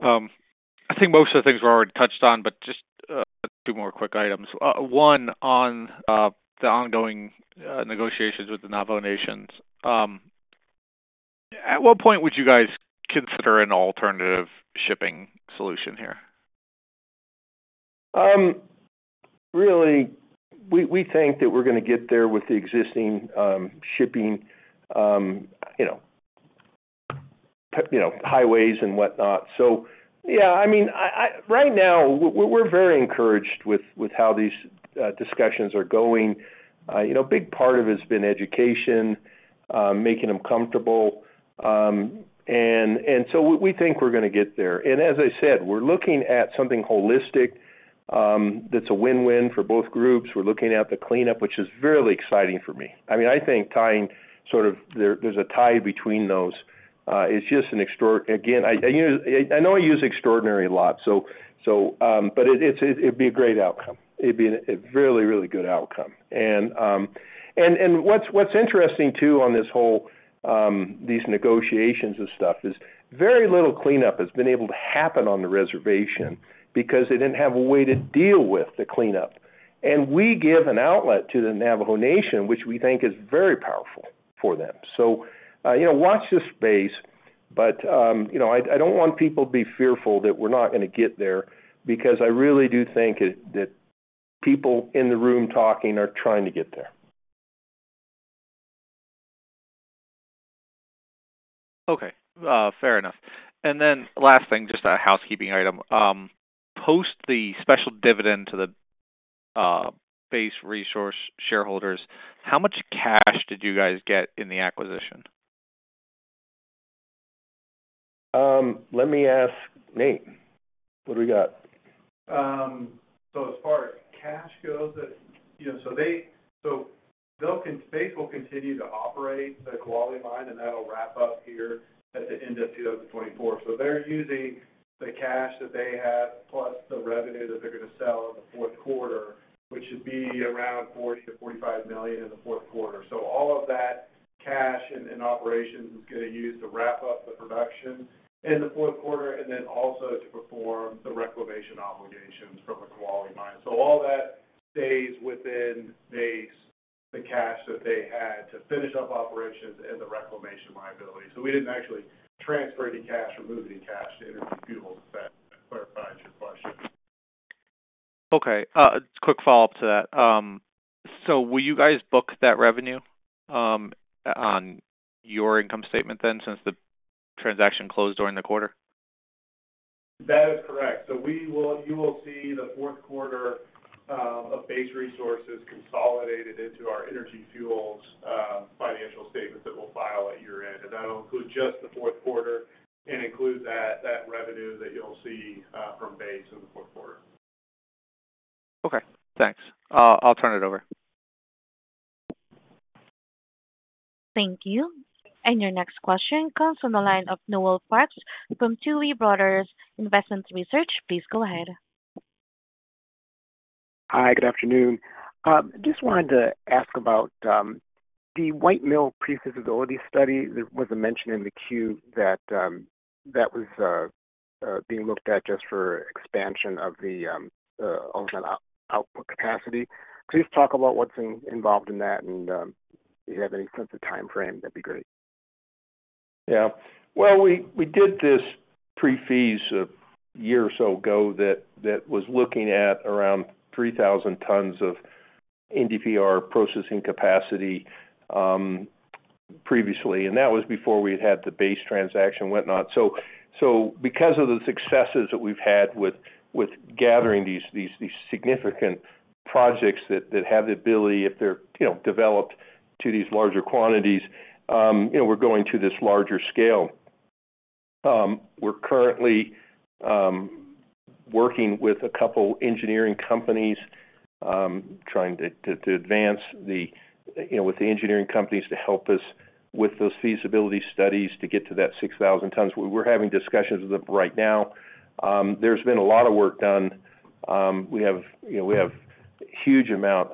I think most of the things were already touched on, but just a few more quick items. One on the ongoing negotiations with the Navajo Nation. At what point would you guys consider an alternative shipping solution here? Really, we think that we're going to get there with the existing shipping highways and whatnot, so yeah, I mean, right now, we're very encouraged with how these discussions are going. A big part of it has been education, making them comfortable, and so we think we're going to get there, and as I said, we're looking at something holistic that's a win-win for both groups. We're looking at the cleanup, which is really exciting for me. I mean, I think tying sort of there's a tie between those. It's just an extraordinary, again, I know I use extraordinary a lot, but it'd be a great outcome. It'd be a really, really good outcome. And what's interesting too on this whole, these negotiations and stuff is very little cleanup has been able to happen on the reservation because they didn't have a way to deal with the cleanup. And we give an outlet to the Navajo Nation, which we think is very powerful for them. So watch this space, but I don't want people to be fearful that we're not going to get there because I really do think that people in the room talking are trying to get there. Okay. Fair enough. And then last thing, just a housekeeping item. Post the special dividend to the Base Resources shareholders, how much cash did you guys get in the acquisition? Let me ask Nate. What do we got? So as far as cash goes, Base Resources will continue to operate the Kwale mine, and that'll wrap up here at the end of 2024. So they're using the cash that they have plus the revenue that they're going to sell in the fourth quarter, which should be around $40 million-$45 million in the fourth quarter. So all of that cash and operations is going to use to wrap up the production in the fourth quarter and then also to perform the reclamation obligations from the Kwale mine. So all that stays within the cash that they had to finish up operations and the reclamation liability. So we didn't actually transfer any cash or move any cash to Energy Fuels, if that clarifies your question. Okay. Quick follow-up to that. So will you guys book that revenue on your income statement then since the transaction closed during the quarter? That is correct. So you will see the fourth quarter of Base Resources consolidated into our Energy Fuels financial statements that we'll file at year-end. And that'll include just the fourth quarter and include that revenue that you'll see from Base in the fourth quarter. Okay. Thanks. I'll turn it over. Thank you. And your next question comes from the line of Noel Parks from Tuohy Brothers Investment Research. Please go ahead. Hi. Good afternoon. Just wanted to ask about the White Mesa Mill pre-feasibility study. There was a mention in the Q that that was being looked at just for expansion of the ultimate output capacity. Could you just talk about what's involved in that, and if you have any sense of timeframe, that'd be great. Yeah. Well, we did this prefeas a year or so ago that was looking at around 3,000 tons of NdPr processing capacity previously. And that was before we had had the Base transaction and whatnot. So because of the successes that we've had with gathering these significant projects that have the ability, if they're developed to these larger quantities, we're going to this larger scale. We're currently working with a couple of engineering companies trying to advance with the engineering companies to help us with those feasibility studies to get to that 6,000 tons. We're having discussions with them right now. There's been a lot of work done. We have a huge amount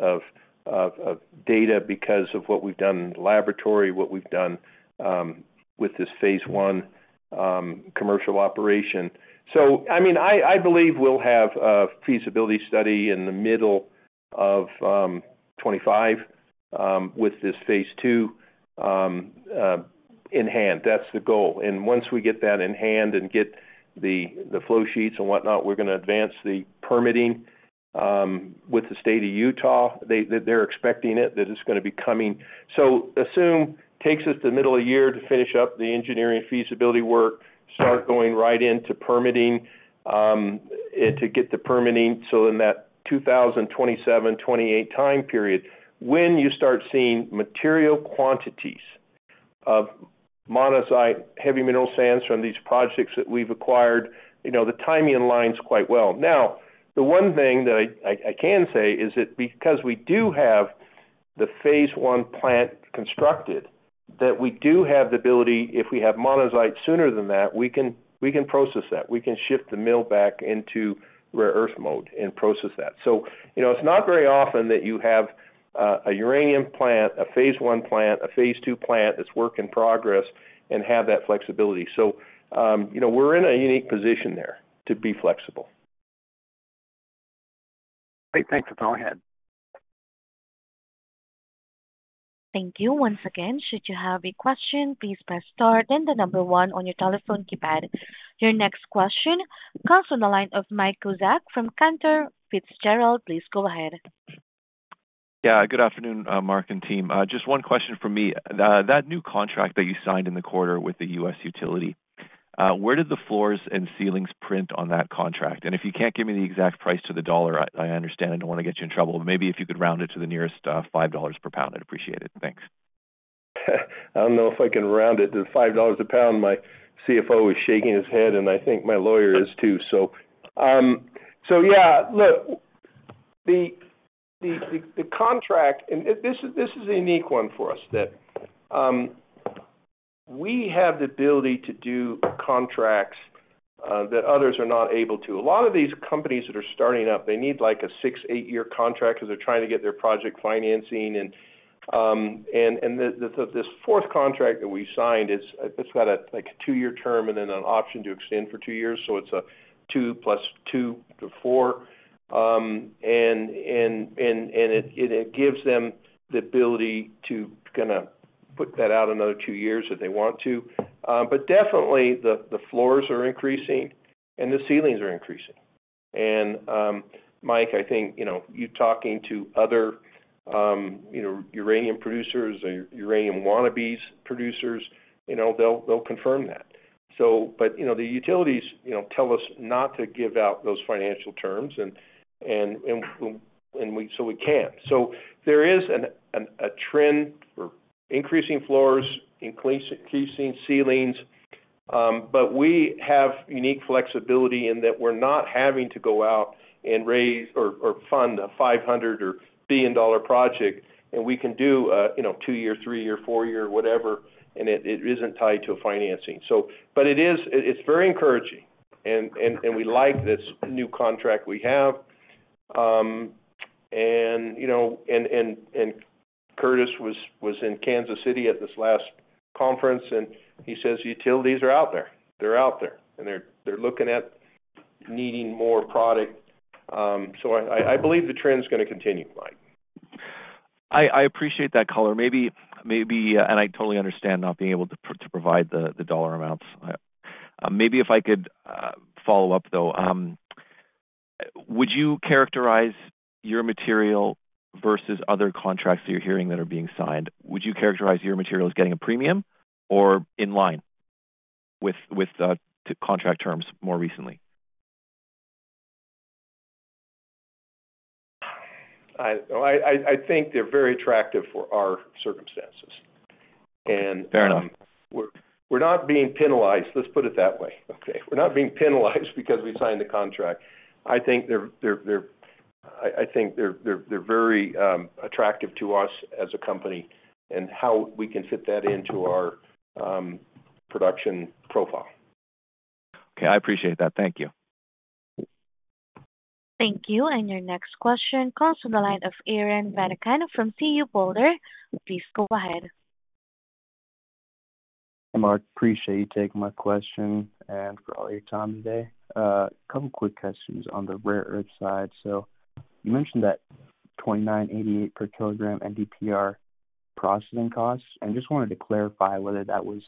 of data because of what we've done in the laboratory, what we've done with Phase 1 commercial operation. So I mean, I believe we'll have a feasibility study in the middle of 2025 with Phase 2 in hand. That's the goal, and once we get that in hand and get the flow sheets and whatnot, we're going to advance the permitting with the state of Utah. They're expecting it that it's going to be coming, so assume it takes us the middle of the year to finish up the engineering feasibility work, start going right into permitting to get the permitting, so in that 2027, 2028 time period, when you start seeing material quantities of monazite, heavy mineral sands from these projects that we've acquired, the timing aligns quite well. Now, the one thing that I can say is that because we do have Phase 1 plant constructed, that we do have the ability, if we have monazite sooner than that, we can process that. We can shift the mill back into rare earth mode and process that. So it's not very often that you have a uranium plant, Phase 1 plant, Phase 2 plant that's work in progress and have that flexibility. So we're in a unique position there to be flexible. Great. Thanks. That's all I had. Thank you. Once again, should you have a question, please press star then the number one on your telephone keypad. Your next question comes from the line of Mike Kozak from Cantor Fitzgerald. Please go ahead. Yeah. Good afternoon, Mark and team. Just one question for me. That new contract that you signed in the quarter with the U.S. Utility, where did the floors and ceilings print on that contract? And if you can't give me the exact price to the dollar, I understand. I don't want to get you in trouble. Maybe if you could round it to the nearest $5 per pound, I'd appreciate it. Thanks. I don't know if I can round it to $5 a pound. My CFO is shaking his head, and I think my lawyer is too. So yeah, look, the contract, and this is a unique one for us, that we have the ability to do contracts that others are not able to. A lot of these companies that are starting up, they need like a six-, eight-year contract because they're trying to get their project financing. And this fourth contract that we signed, it's got a two-year term and then an option to extend for two years. So it's a two plus two to four. And it gives them the ability to kind of put that out another two years if they want to. But definitely, the floors are increasing, and the ceilings are increasing. And Mike, I think you talking to other uranium producers or uranium wannabe producers, they'll confirm that. But the utilities tell us not to give out those financial terms, and so we can't. So there is a trend for increasing floors, increasing ceilings, but we have unique flexibility in that we're not having to go out and raise or fund a $500 billion project, and we can do a two-year, three-year, four-year, whatever, and it isn't tied to financing. It's very encouraging, and we like this new contract we have. Curtis was in Kansas City at this last conference, and he says utilities are out there. They're out there, and they're looking at needing more product. So I believe the trend's going to continue, Mike. I appreciate that, Mark. I totally understand not being able to provide the dollar amounts. Maybe if I could follow up, though, would you characterize your material versus other contracts that you're hearing that are being signed? Would you characterize your material as getting a premium or in line with contract terms more recently? I think they're very attractive for our circumstances. We're not being penalized. Let's put it that way. Okay. We're not being penalized because we signed the contract. I think they're very attractive to us as a company and how we can fit that into our production profile. Okay. I appreciate that. Thank you. Thank you. And your next question comes from the line of Aaron Vadakkan from CU Boulder. Please go ahead. Hey, Mark. Appreciate you taking my question and for all your time today. A couple of quick questions on the rare earth side. So you mentioned that $29.88 per kilogram NdPr processing costs. I just wanted to clarify whether that was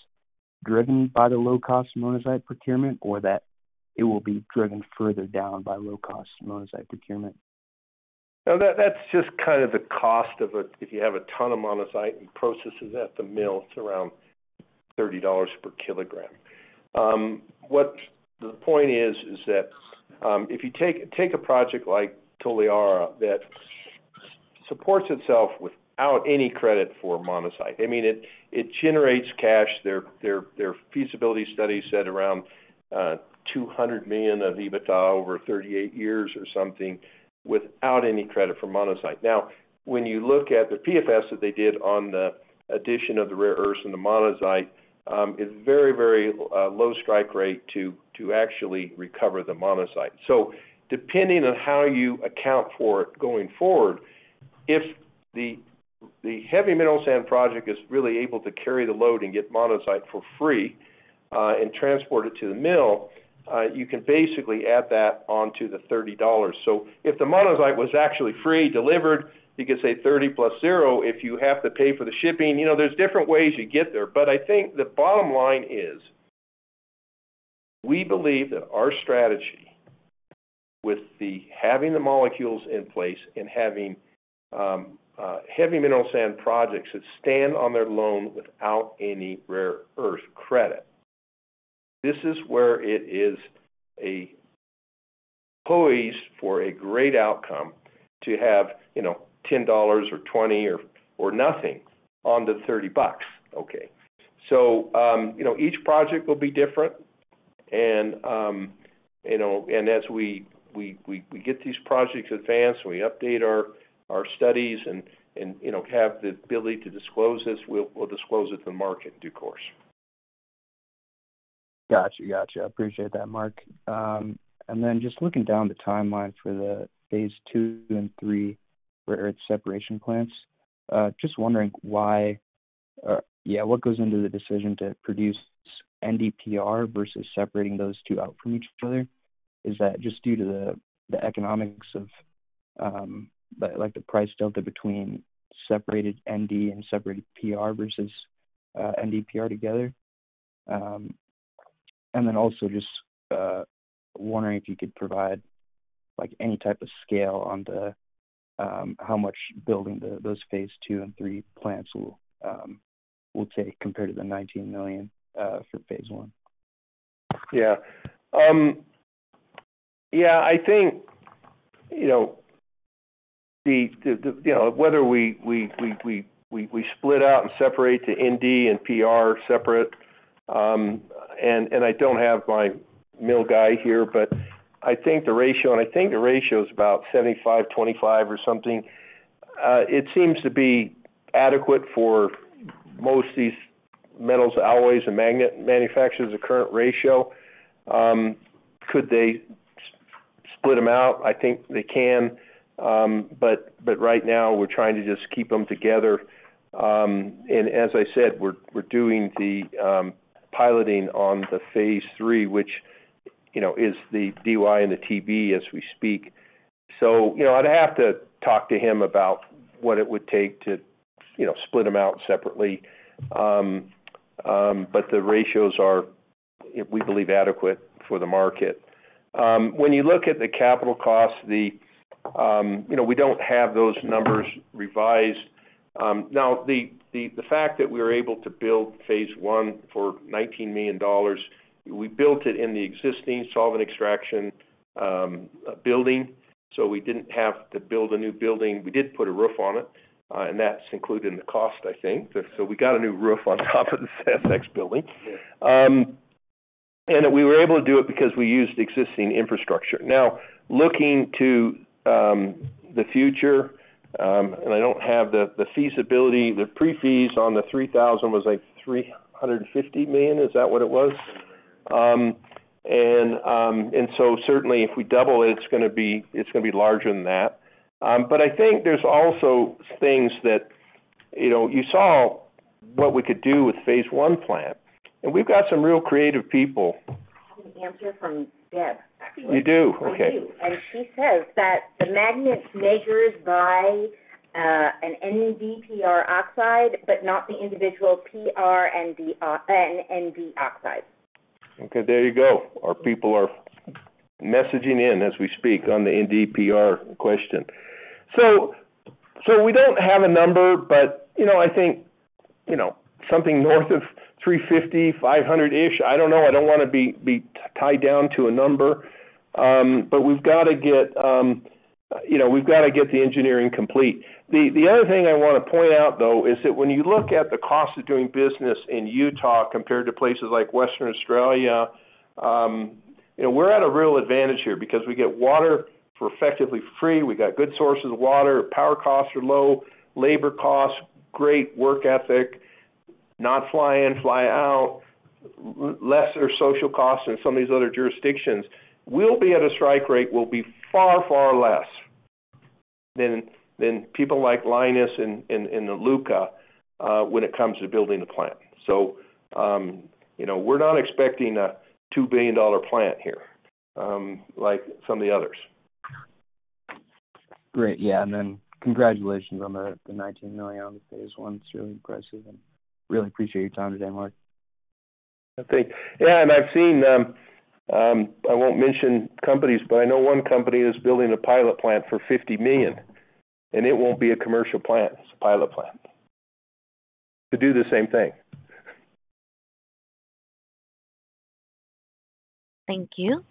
driven by the low-cost monazite procurement or that it will be driven further down by low-cost monazite procurement. That's just kind of the cost of it. If you have a ton of monazite and process it at the mill, it's around $30 per kilogram. The point is that if you take a project like Toliara that supports itself without any credit for monazite, I mean, it generates cash. Their feasibility study said around 200 million of EBITDA over 38 years or something without any credit for monazite. Now, when you look at the PFS that they did on the addition of the rare earths and the monazite, it's a very, very low strike rate to actually recover the monazite. So depending on how you account for it going forward, if the heavy mineral sands project is really able to carry the load and get monazite for free and transport it to the mill, you can basically add that onto the $30. So if the monazite was actually free delivered, you could say 30 plus 0 if you have to pay for the shipping. There's different ways you get there. But I think the bottom line is we believe that our strategy with having the molecules in place and having heavy mineral sands projects that stand on their own without any rare earth credit, this is where it is poised for a great outcome to have $10 or $20 or nothing on the $30 bucks. Okay. So each project will be different. And as we get these projects advanced and we update our studies and have the ability to disclose this, we'll disclose it to the market in due course. Gotcha. Gotcha. Appreciate that, Mark. And then just looking down the timeline for the Phase 2 and Phase 3 rare earth separation plants, just wondering why or yeah, what goes into the decision to produce NdPr versus separating those two out from each other? Is that just due to the economics of the price delta between separated Nd and separated Pr versus NdPr together? And then also just wondering if you could provide any type of scale on how much building those Phase 2 and Phase 3 plants will take compared to the $19 million for Phase 1. Yeah. Yeah. I think whether we split out and separate the Nd and Pr separate, and I don't have my mill guy here, but I think the ratio, and I think the ratio is about 75/25 or something, it seems to be adequate for most of these metals, alloys, and magnet manufacturers, the current ratio. Could they split them out? I think they can. But right now, we're trying to just keep them together. And as I said, we're doing the piloting on the Phase 3, which is the Dy and the Tb as we speak. So I'd have to talk to him about what it would take to split them out separately. But the ratios are, we believe, adequate for the market. When you look at the capital costs, we don't have those numbers revised. Now, the fact that we were able to Phase 1 for $19 million, we built it in the existing solvent extraction building. So we didn't have to build a new building. We did put a roof on it, and that's included in the cost, I think. So we got a new roof on top of the SX building. And we were able to do it because we used existing infrastructure. Now, looking to the future, and I don't have the feasibility, the pre-feas on the 3,000 was like $350 million. Is that what it was? And so certainly, if we double it, it's going to be larger than that. But I think there's also things that you saw what we could do Phase 1 plant. And we've got some real creative people. I have an answer from Deb. You do? Okay. I do. And she says that the magnet measures by an NdPr oxide but not the individual Pr and Nd oxide. Okay. There you go. Our people are messaging in as we speak on the NdPr question. So we don't have a number, but I think something north of 350-500-ish. I don't know. I don't want to be tied down to a number. But we've got to get the engineering complete. The other thing I want to point out, though, is that when you look at the cost of doing business in Utah compared to places like Western Australia, we're at a real advantage here because we get water for effectively free. We got good sources of water. Power costs are low. Labor costs, great work ethic, not fly in, fly out, lesser social costs than some of these other jurisdictions. We'll be at a strike rate will be far, far less than people like Lynas and Iluka when it comes to building the plant. So we're not expecting a $2 billion plant here like some of the others. Great. Yeah. And then congratulations on the $19 million on Phase 1. it's really impressive. And really appreciate your time today, Mark. Thanks. Yeah. And I've seen. I won't mention companies, but I know one company is building a pilot plant for $50 million. And it won't be a commercial plant. It's a pilot plant to do the same thing. Thank you.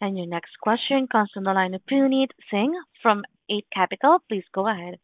And your next question comes from the line of Puneet Singh from Eight Capital. Please go ahead.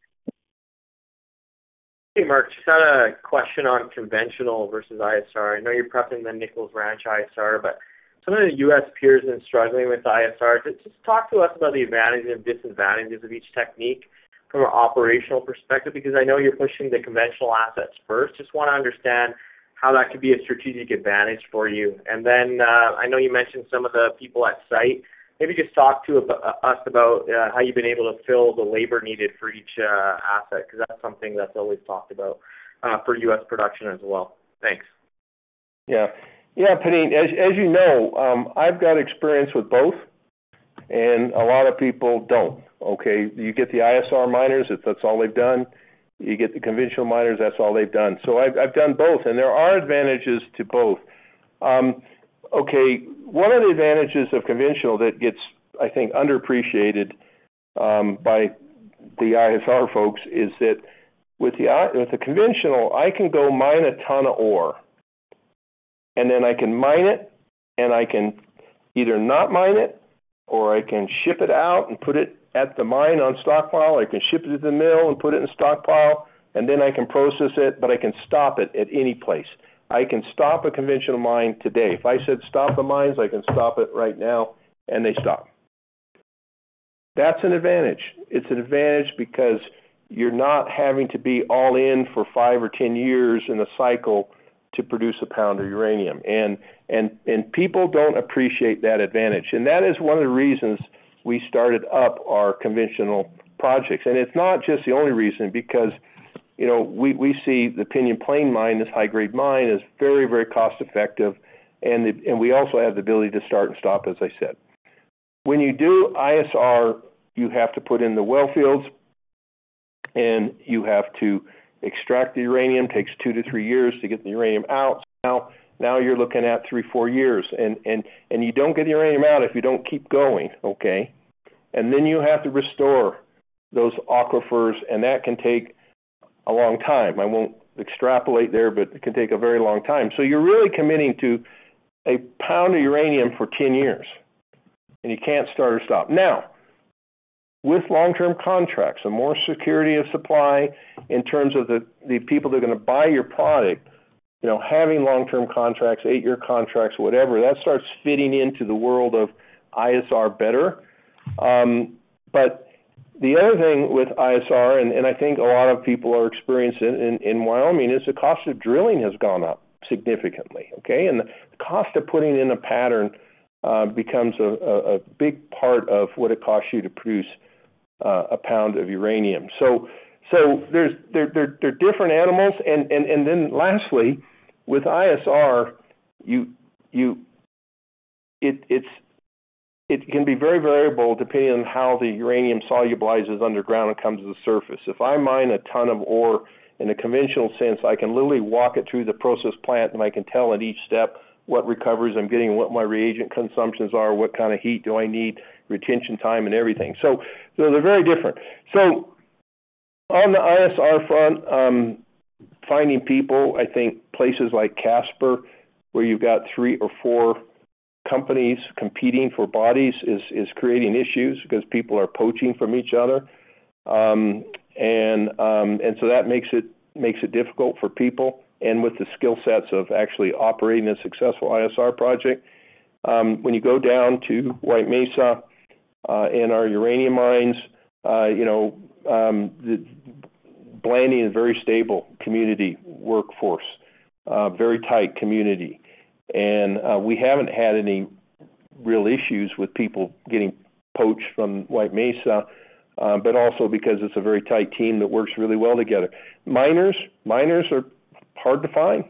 Hey, Mark. Just had a question on conventional versus ISR. I know you're prepping the Nichols Ranch ISR, but some of the US peers have been struggling with ISR. Just talk to us about the advantages and disadvantages of each technique from an operational perspective because I know you're pushing the conventional assets first. Just want to understand how that could be a strategic advantage for you. And then I know you mentioned some of the people at site. Maybe just talk to us about how you've been able to fill the labor needed for each asset because that's something that's always talked about for US production as well. Thanks. Yeah. Yeah. As you know, I've got experience with both, and a lot of people don't. Okay? You get the ISR miners. That's all they've done. You get the conventional miners. That's all they've done. So I've done both. There are advantages to both. Okay. One of the advantages of conventional that gets, I think, underappreciated by the ISR folks is that with the conventional, I can go mine a ton of ore. And then I can mine it, and I can either not mine it, or I can ship it out and put it at the mine on stockpile. I can ship it to the mill and put it in stockpile. And then I can process it, but I can stop it at any place. I can stop a conventional mine today. If I said, "Stop the mines," I can stop it right now, and they stop. That's an advantage. It's an advantage because you're not having to be all in for five or 10 years in a cycle to produce a pound of uranium. And people don't appreciate that advantage. That is one of the reasons we started up our conventional projects. And it's not just the only reason because we see the Pinyon Plain Mine, this high-grade mine, as very, very cost-effective. And we also have the ability to start and stop, as I said. When you do ISR, you have to put in the wellfields, and you have to extract the uranium. It takes two to three years to get the uranium out. Now you're looking at three, four years. And you don't get the uranium out if you don't keep going. Okay? And then you have to restore those aquifers, and that can take a long time. I won't extrapolate there, but it can take a very long time. So you're really committing to a pound of uranium for 10 years, and you can't start or stop. Now, with long-term contracts and more security of supply in terms of the people that are going to buy your product, having long-term contracts, eight-year contracts, whatever, that starts fitting into the world of ISR better. But the other thing with ISR, and I think a lot of people are experienced in Wyoming, is the cost of drilling has gone up significantly. Okay? And the cost of putting in a pattern becomes a big part of what it costs you to produce a pound of uranium. So they're different animals. And then lastly, with ISR, it can be very variable depending on how the uranium solubilizes underground and comes to the surface. If I mine a ton of ore in a conventional sense, I can literally walk it through the process plant, and I can tell at each step what recoveries I'm getting, what my reagent consumptions are, what kind of heat do I need, retention time, and everything. So they're very different. So on the ISR front, finding people, I think places like Casper, where you've got three or four companies competing for bodies, is creating issues because people are poaching from each other. And so that makes it difficult for people. And with the skill sets of actually operating a successful ISR project, when you go down to White Mesa and our uranium mines, Blanding is a very stable community workforce, very tight community. We haven't had any real issues with people getting poached from White Mesa, but also because it's a very tight team that works really well together. Miners are hard to find.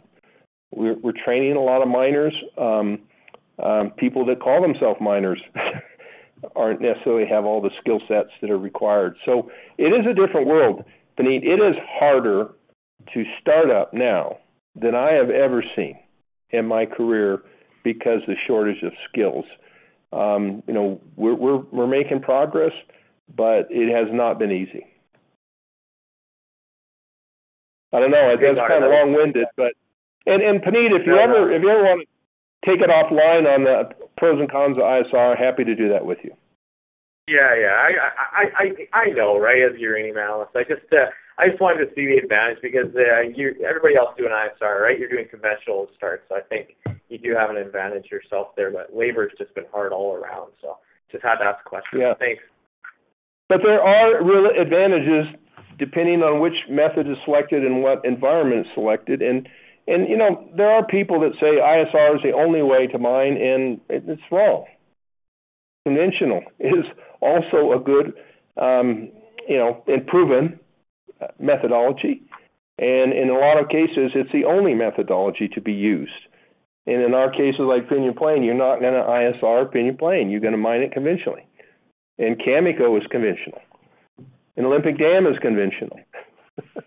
We're training a lot of miners. People that call themselves miners aren't necessarily have all the skill sets that are required. So it is a different world. It is harder to start up now than I have ever seen in my career because of the shortage of skills. We're making progress, but it has not been easy. I don't know. That's kind of long-winded, but. And Puneet, if you ever want to take it offline on the pros and cons of ISR, happy to do that with you. Yeah. Yeah. I know, right, of the uranium analyst. I just wanted to see the advantage because everybody else is doing ISR, right? You're doing conventional starts. So I think you do have an advantage yourself there, but labor has just been hard all around. So just had that question. Thanks. But there are real advantages depending on which method is selected and what environment is selected. And there are people that say ISR is the only way to mine, and it's wrong. Conventional is also a good and proven methodology. And in a lot of cases, it's the only methodology to be used. And in our cases like Pinyon Plain, you're not going to ISR Pinyon Plain. You're going to mine it conventionally. And Cameco is conventional. And Olympic Dam is conventional. Yeah.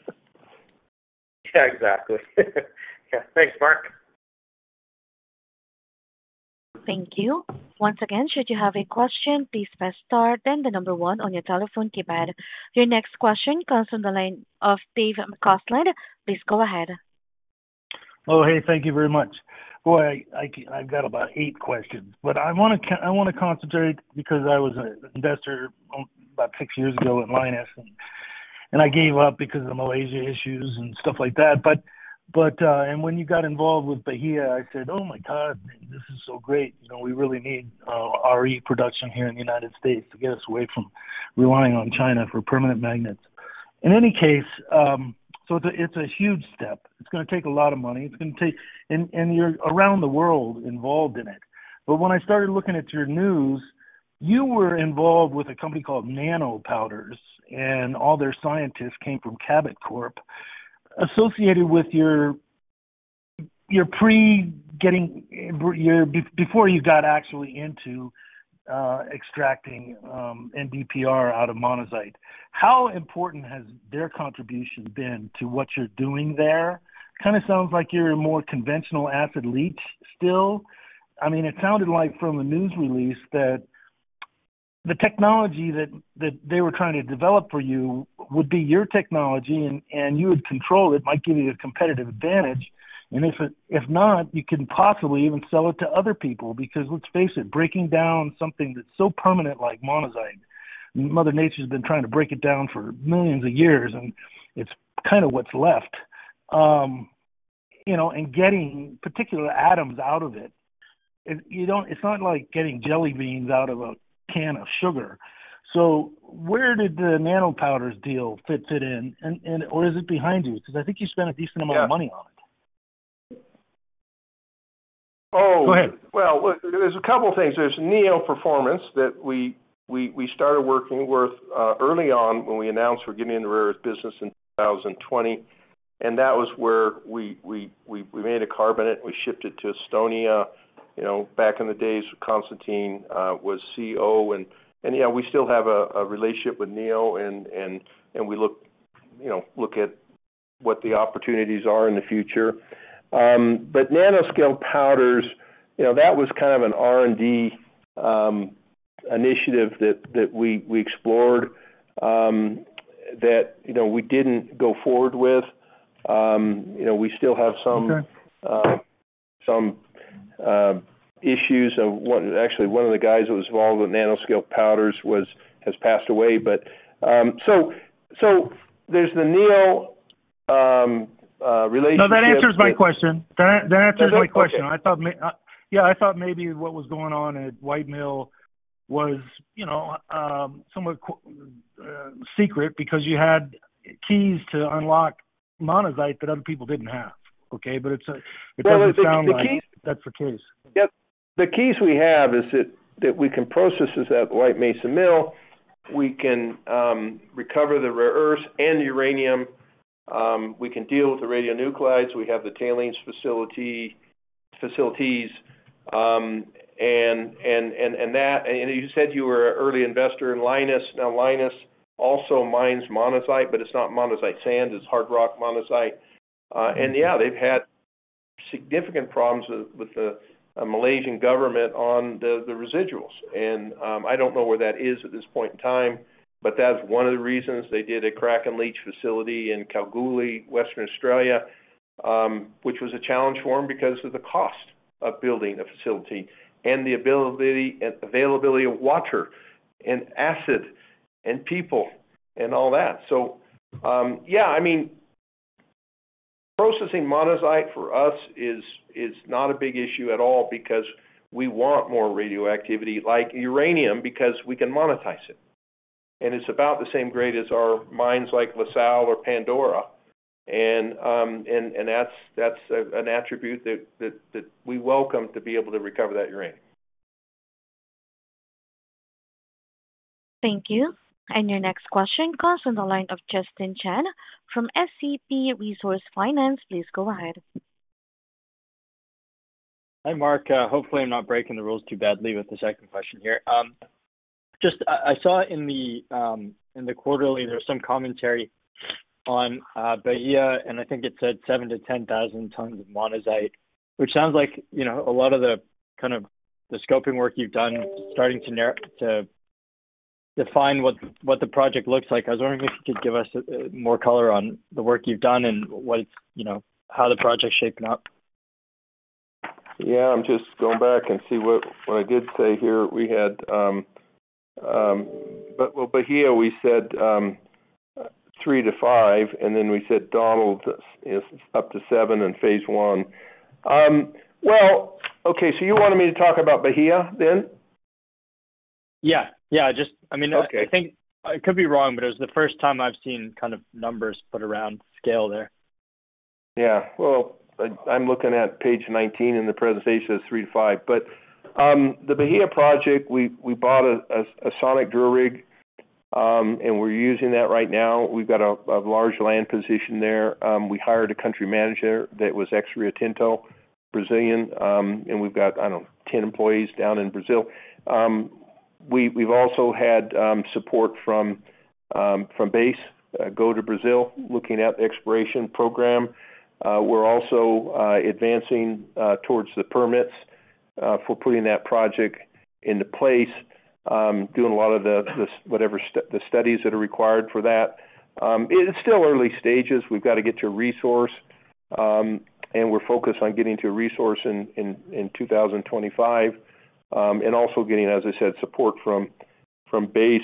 Exactly. Yeah. Thanks, Mark. Thank you. Once again, should you have a question, please press star. Then the number one on your telephone keypad. Your next question comes from the line of Dave Causland. Please go ahead. Oh, hey. Thank you very much. Boy, I've got about eight questions. But I want to concentrate because I was an investor about six years ago at Lynas, and I gave up because of the Malaysia issues and stuff like that. But when you got involved with Bahia, I said, "Oh my God, this is so great. We really need RE production here in the United States to get us away from relying on China for permanent magnets." In any case, so it's a huge step. It's going to take a lot of money. And you're around the world involved in it. But when I started looking at your news, you were involved with a company called Nanoscale Powders, and all their scientists came from Cabot Corporation associated with your pre getting before you got actually into extracting NdPr out of monazite. How important has their contribution been to what you're doing there? Kind of sounds like you're a more conventional outfit still. I mean, it sounded like from the news release that the technology that they were trying to develop for you would be your technology, and you would control it. It might give you a competitive advantage. And if not, you can possibly even sell it to other people because let's face it, breaking down something that's so permanent like monazite, Mother Nature's been trying to break it down for millions of years, and it's kind of what's left. And getting particular atoms out of it, it's not like getting jelly beans out of a can of sugar. So where did the Nanoscale Powders deal fit in? Or is it behind you? Because I think you spent a decent amount of money on it. Oh. Go ahead. Well, there's a couple of things. There's Neo Performance that we started working with early on when we announced we're getting into rare earth business in 2020. And that was where we made a carbonate, and we shipped it to Estonia back in the days when Constantine was CEO. And yeah, we still have a relationship with Neo, and we look at what the opportunities are in the future. But Nanoscale Powders, that was kind of an R&D initiative that we explored that we didn't go forward with. We still have some issues. Actually, one of the guys that was involved with Nanoscale Powders has passed away. So there's the Neo relationship. No, that answers my question. That answers my question. Yeah. I thought maybe what was going on at White Mesa Mill was somewhat secret because you had keys to unlock monazite that other people didn't have. Okay? But it doesn't sound like that's the case. The keys we have is that we can process this at White Mesa Mill. We can recover the rare earth and uranium. We can deal with the radionuclides. We have the tailings facilities, and you said you were an early investor in Lynas. Now, Lynas also mines monazite, but it's not monazite sand. It's hard rock monazite, and yeah, they've had significant problems with the Malaysian government on the residuals, and I don't know where that is at this point in time, but that's one of the reasons they did a crack and leach facility in Kalgoorlie, Western Australia, which was a challenge for them because of the cost of building a facility and the availability of water and acid and people and all that. So yeah, I mean, processing monazite for us is not a big issue at all because we want more radioactivity like uranium because we can monetize it. And it's about the same grade as our mines like La Sal or Pandora. And that's an attribute that we welcome to be able to recover that uranium. Thank you. And your next question comes from the line of Justin Chan from SCP Resource Finance. Please go ahead. Hi, Mark. Hopefully, I'm not breaking the rules too badly with the second question here. I saw in the quarterly, there was some commentary on Bahia, and I think it said 7 to 10 thousand tons of monazite, which sounds like a lot of the kind of the scoping work you've done is starting to define what the project looks like. I was wondering if you could give us more color on the work you've done and how the project's shaping up. Yeah. I'm just going back and see what I did say here. But Bahia, we said three to five, and then we said Donald up to seven Phase 1. well, okay. So you wanted me to talk about Bahia then? Yeah. Yeah. I mean, I think I could be wrong, but it was the first time I've seen kind of numbers put around scale there. Yeah. Well, I'm looking at page 19 in the presentation of three to five. But the Bahia Project, we bought a sonic drill rig, and we're using that right now. We've got a large land position there. We hired a country manager that was experienced, Brazilian. And we've got, I don't know, 10 employees down in Brazil. We've also had support from Base, go to Brazil, looking at the exploration program. We're also advancing towards the permits for putting that project into place, doing a lot of whatever the studies that are required for that. It's still early stages. We've got to get to a resource, and we're focused on getting to a resource in 2025 and also getting, as I said, support from Base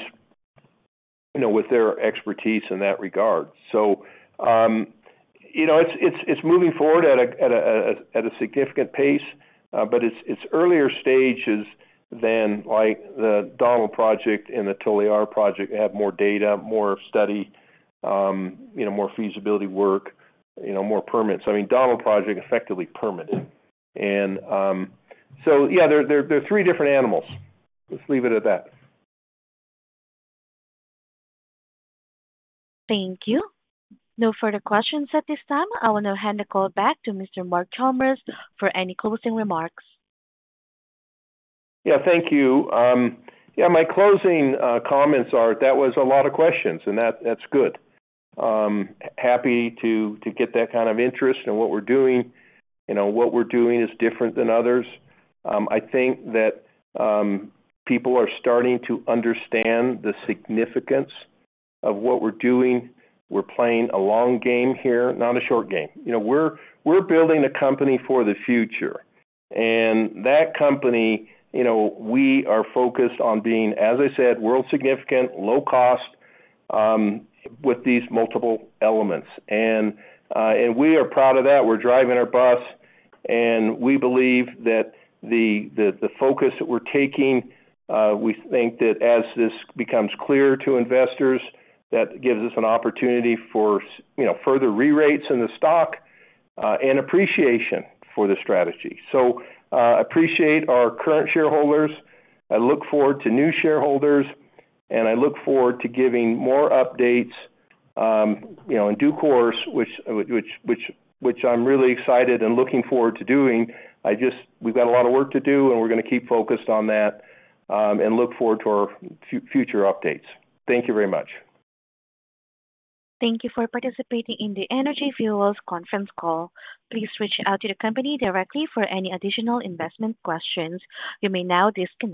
with their expertise in that regard. So it's moving forward at a significant pace, but it's earlier stages than the Donald Project and the Toliara Project. They have more data, more study, more feasibility work, more permits. I mean, Donald Project effectively permitted. And so yeah, they're three different animals. Let's leave it at that. Thank you. No further questions at this time. I want to hand the call back to Mr. Mark Chalmers for any closing remarks. Yeah. Thank you. Yeah. My closing comments are that was a lot of questions, and that's good. Happy to get that kind of interest in what we're doing. What we're doing is different than others. I think that people are starting to understand the significance of what we're doing. We're playing a long game here, not a short game. We're building a company for the future. And that company, we are focused on being, as I said, world significant, low cost with these multiple elements. And we are proud of that. We're driving our bus. And we believe that the focus that we're taking, we think that as this becomes clear to investors, that gives us an opportunity for further re-rates in the stock and appreciation for the strategy. So I appreciate our current shareholders. I look forward to new shareholders, and I look forward to giving more updates in due course, which I'm really excited and looking forward to doing. We've got a lot of work to do, and we're going to keep focused on that and look forward to our future updates. Thank you very much. Thank you for participating in the Energy Fuels Conference Call. Please reach out to the company directly for any additional investment questions. You may now disconnect.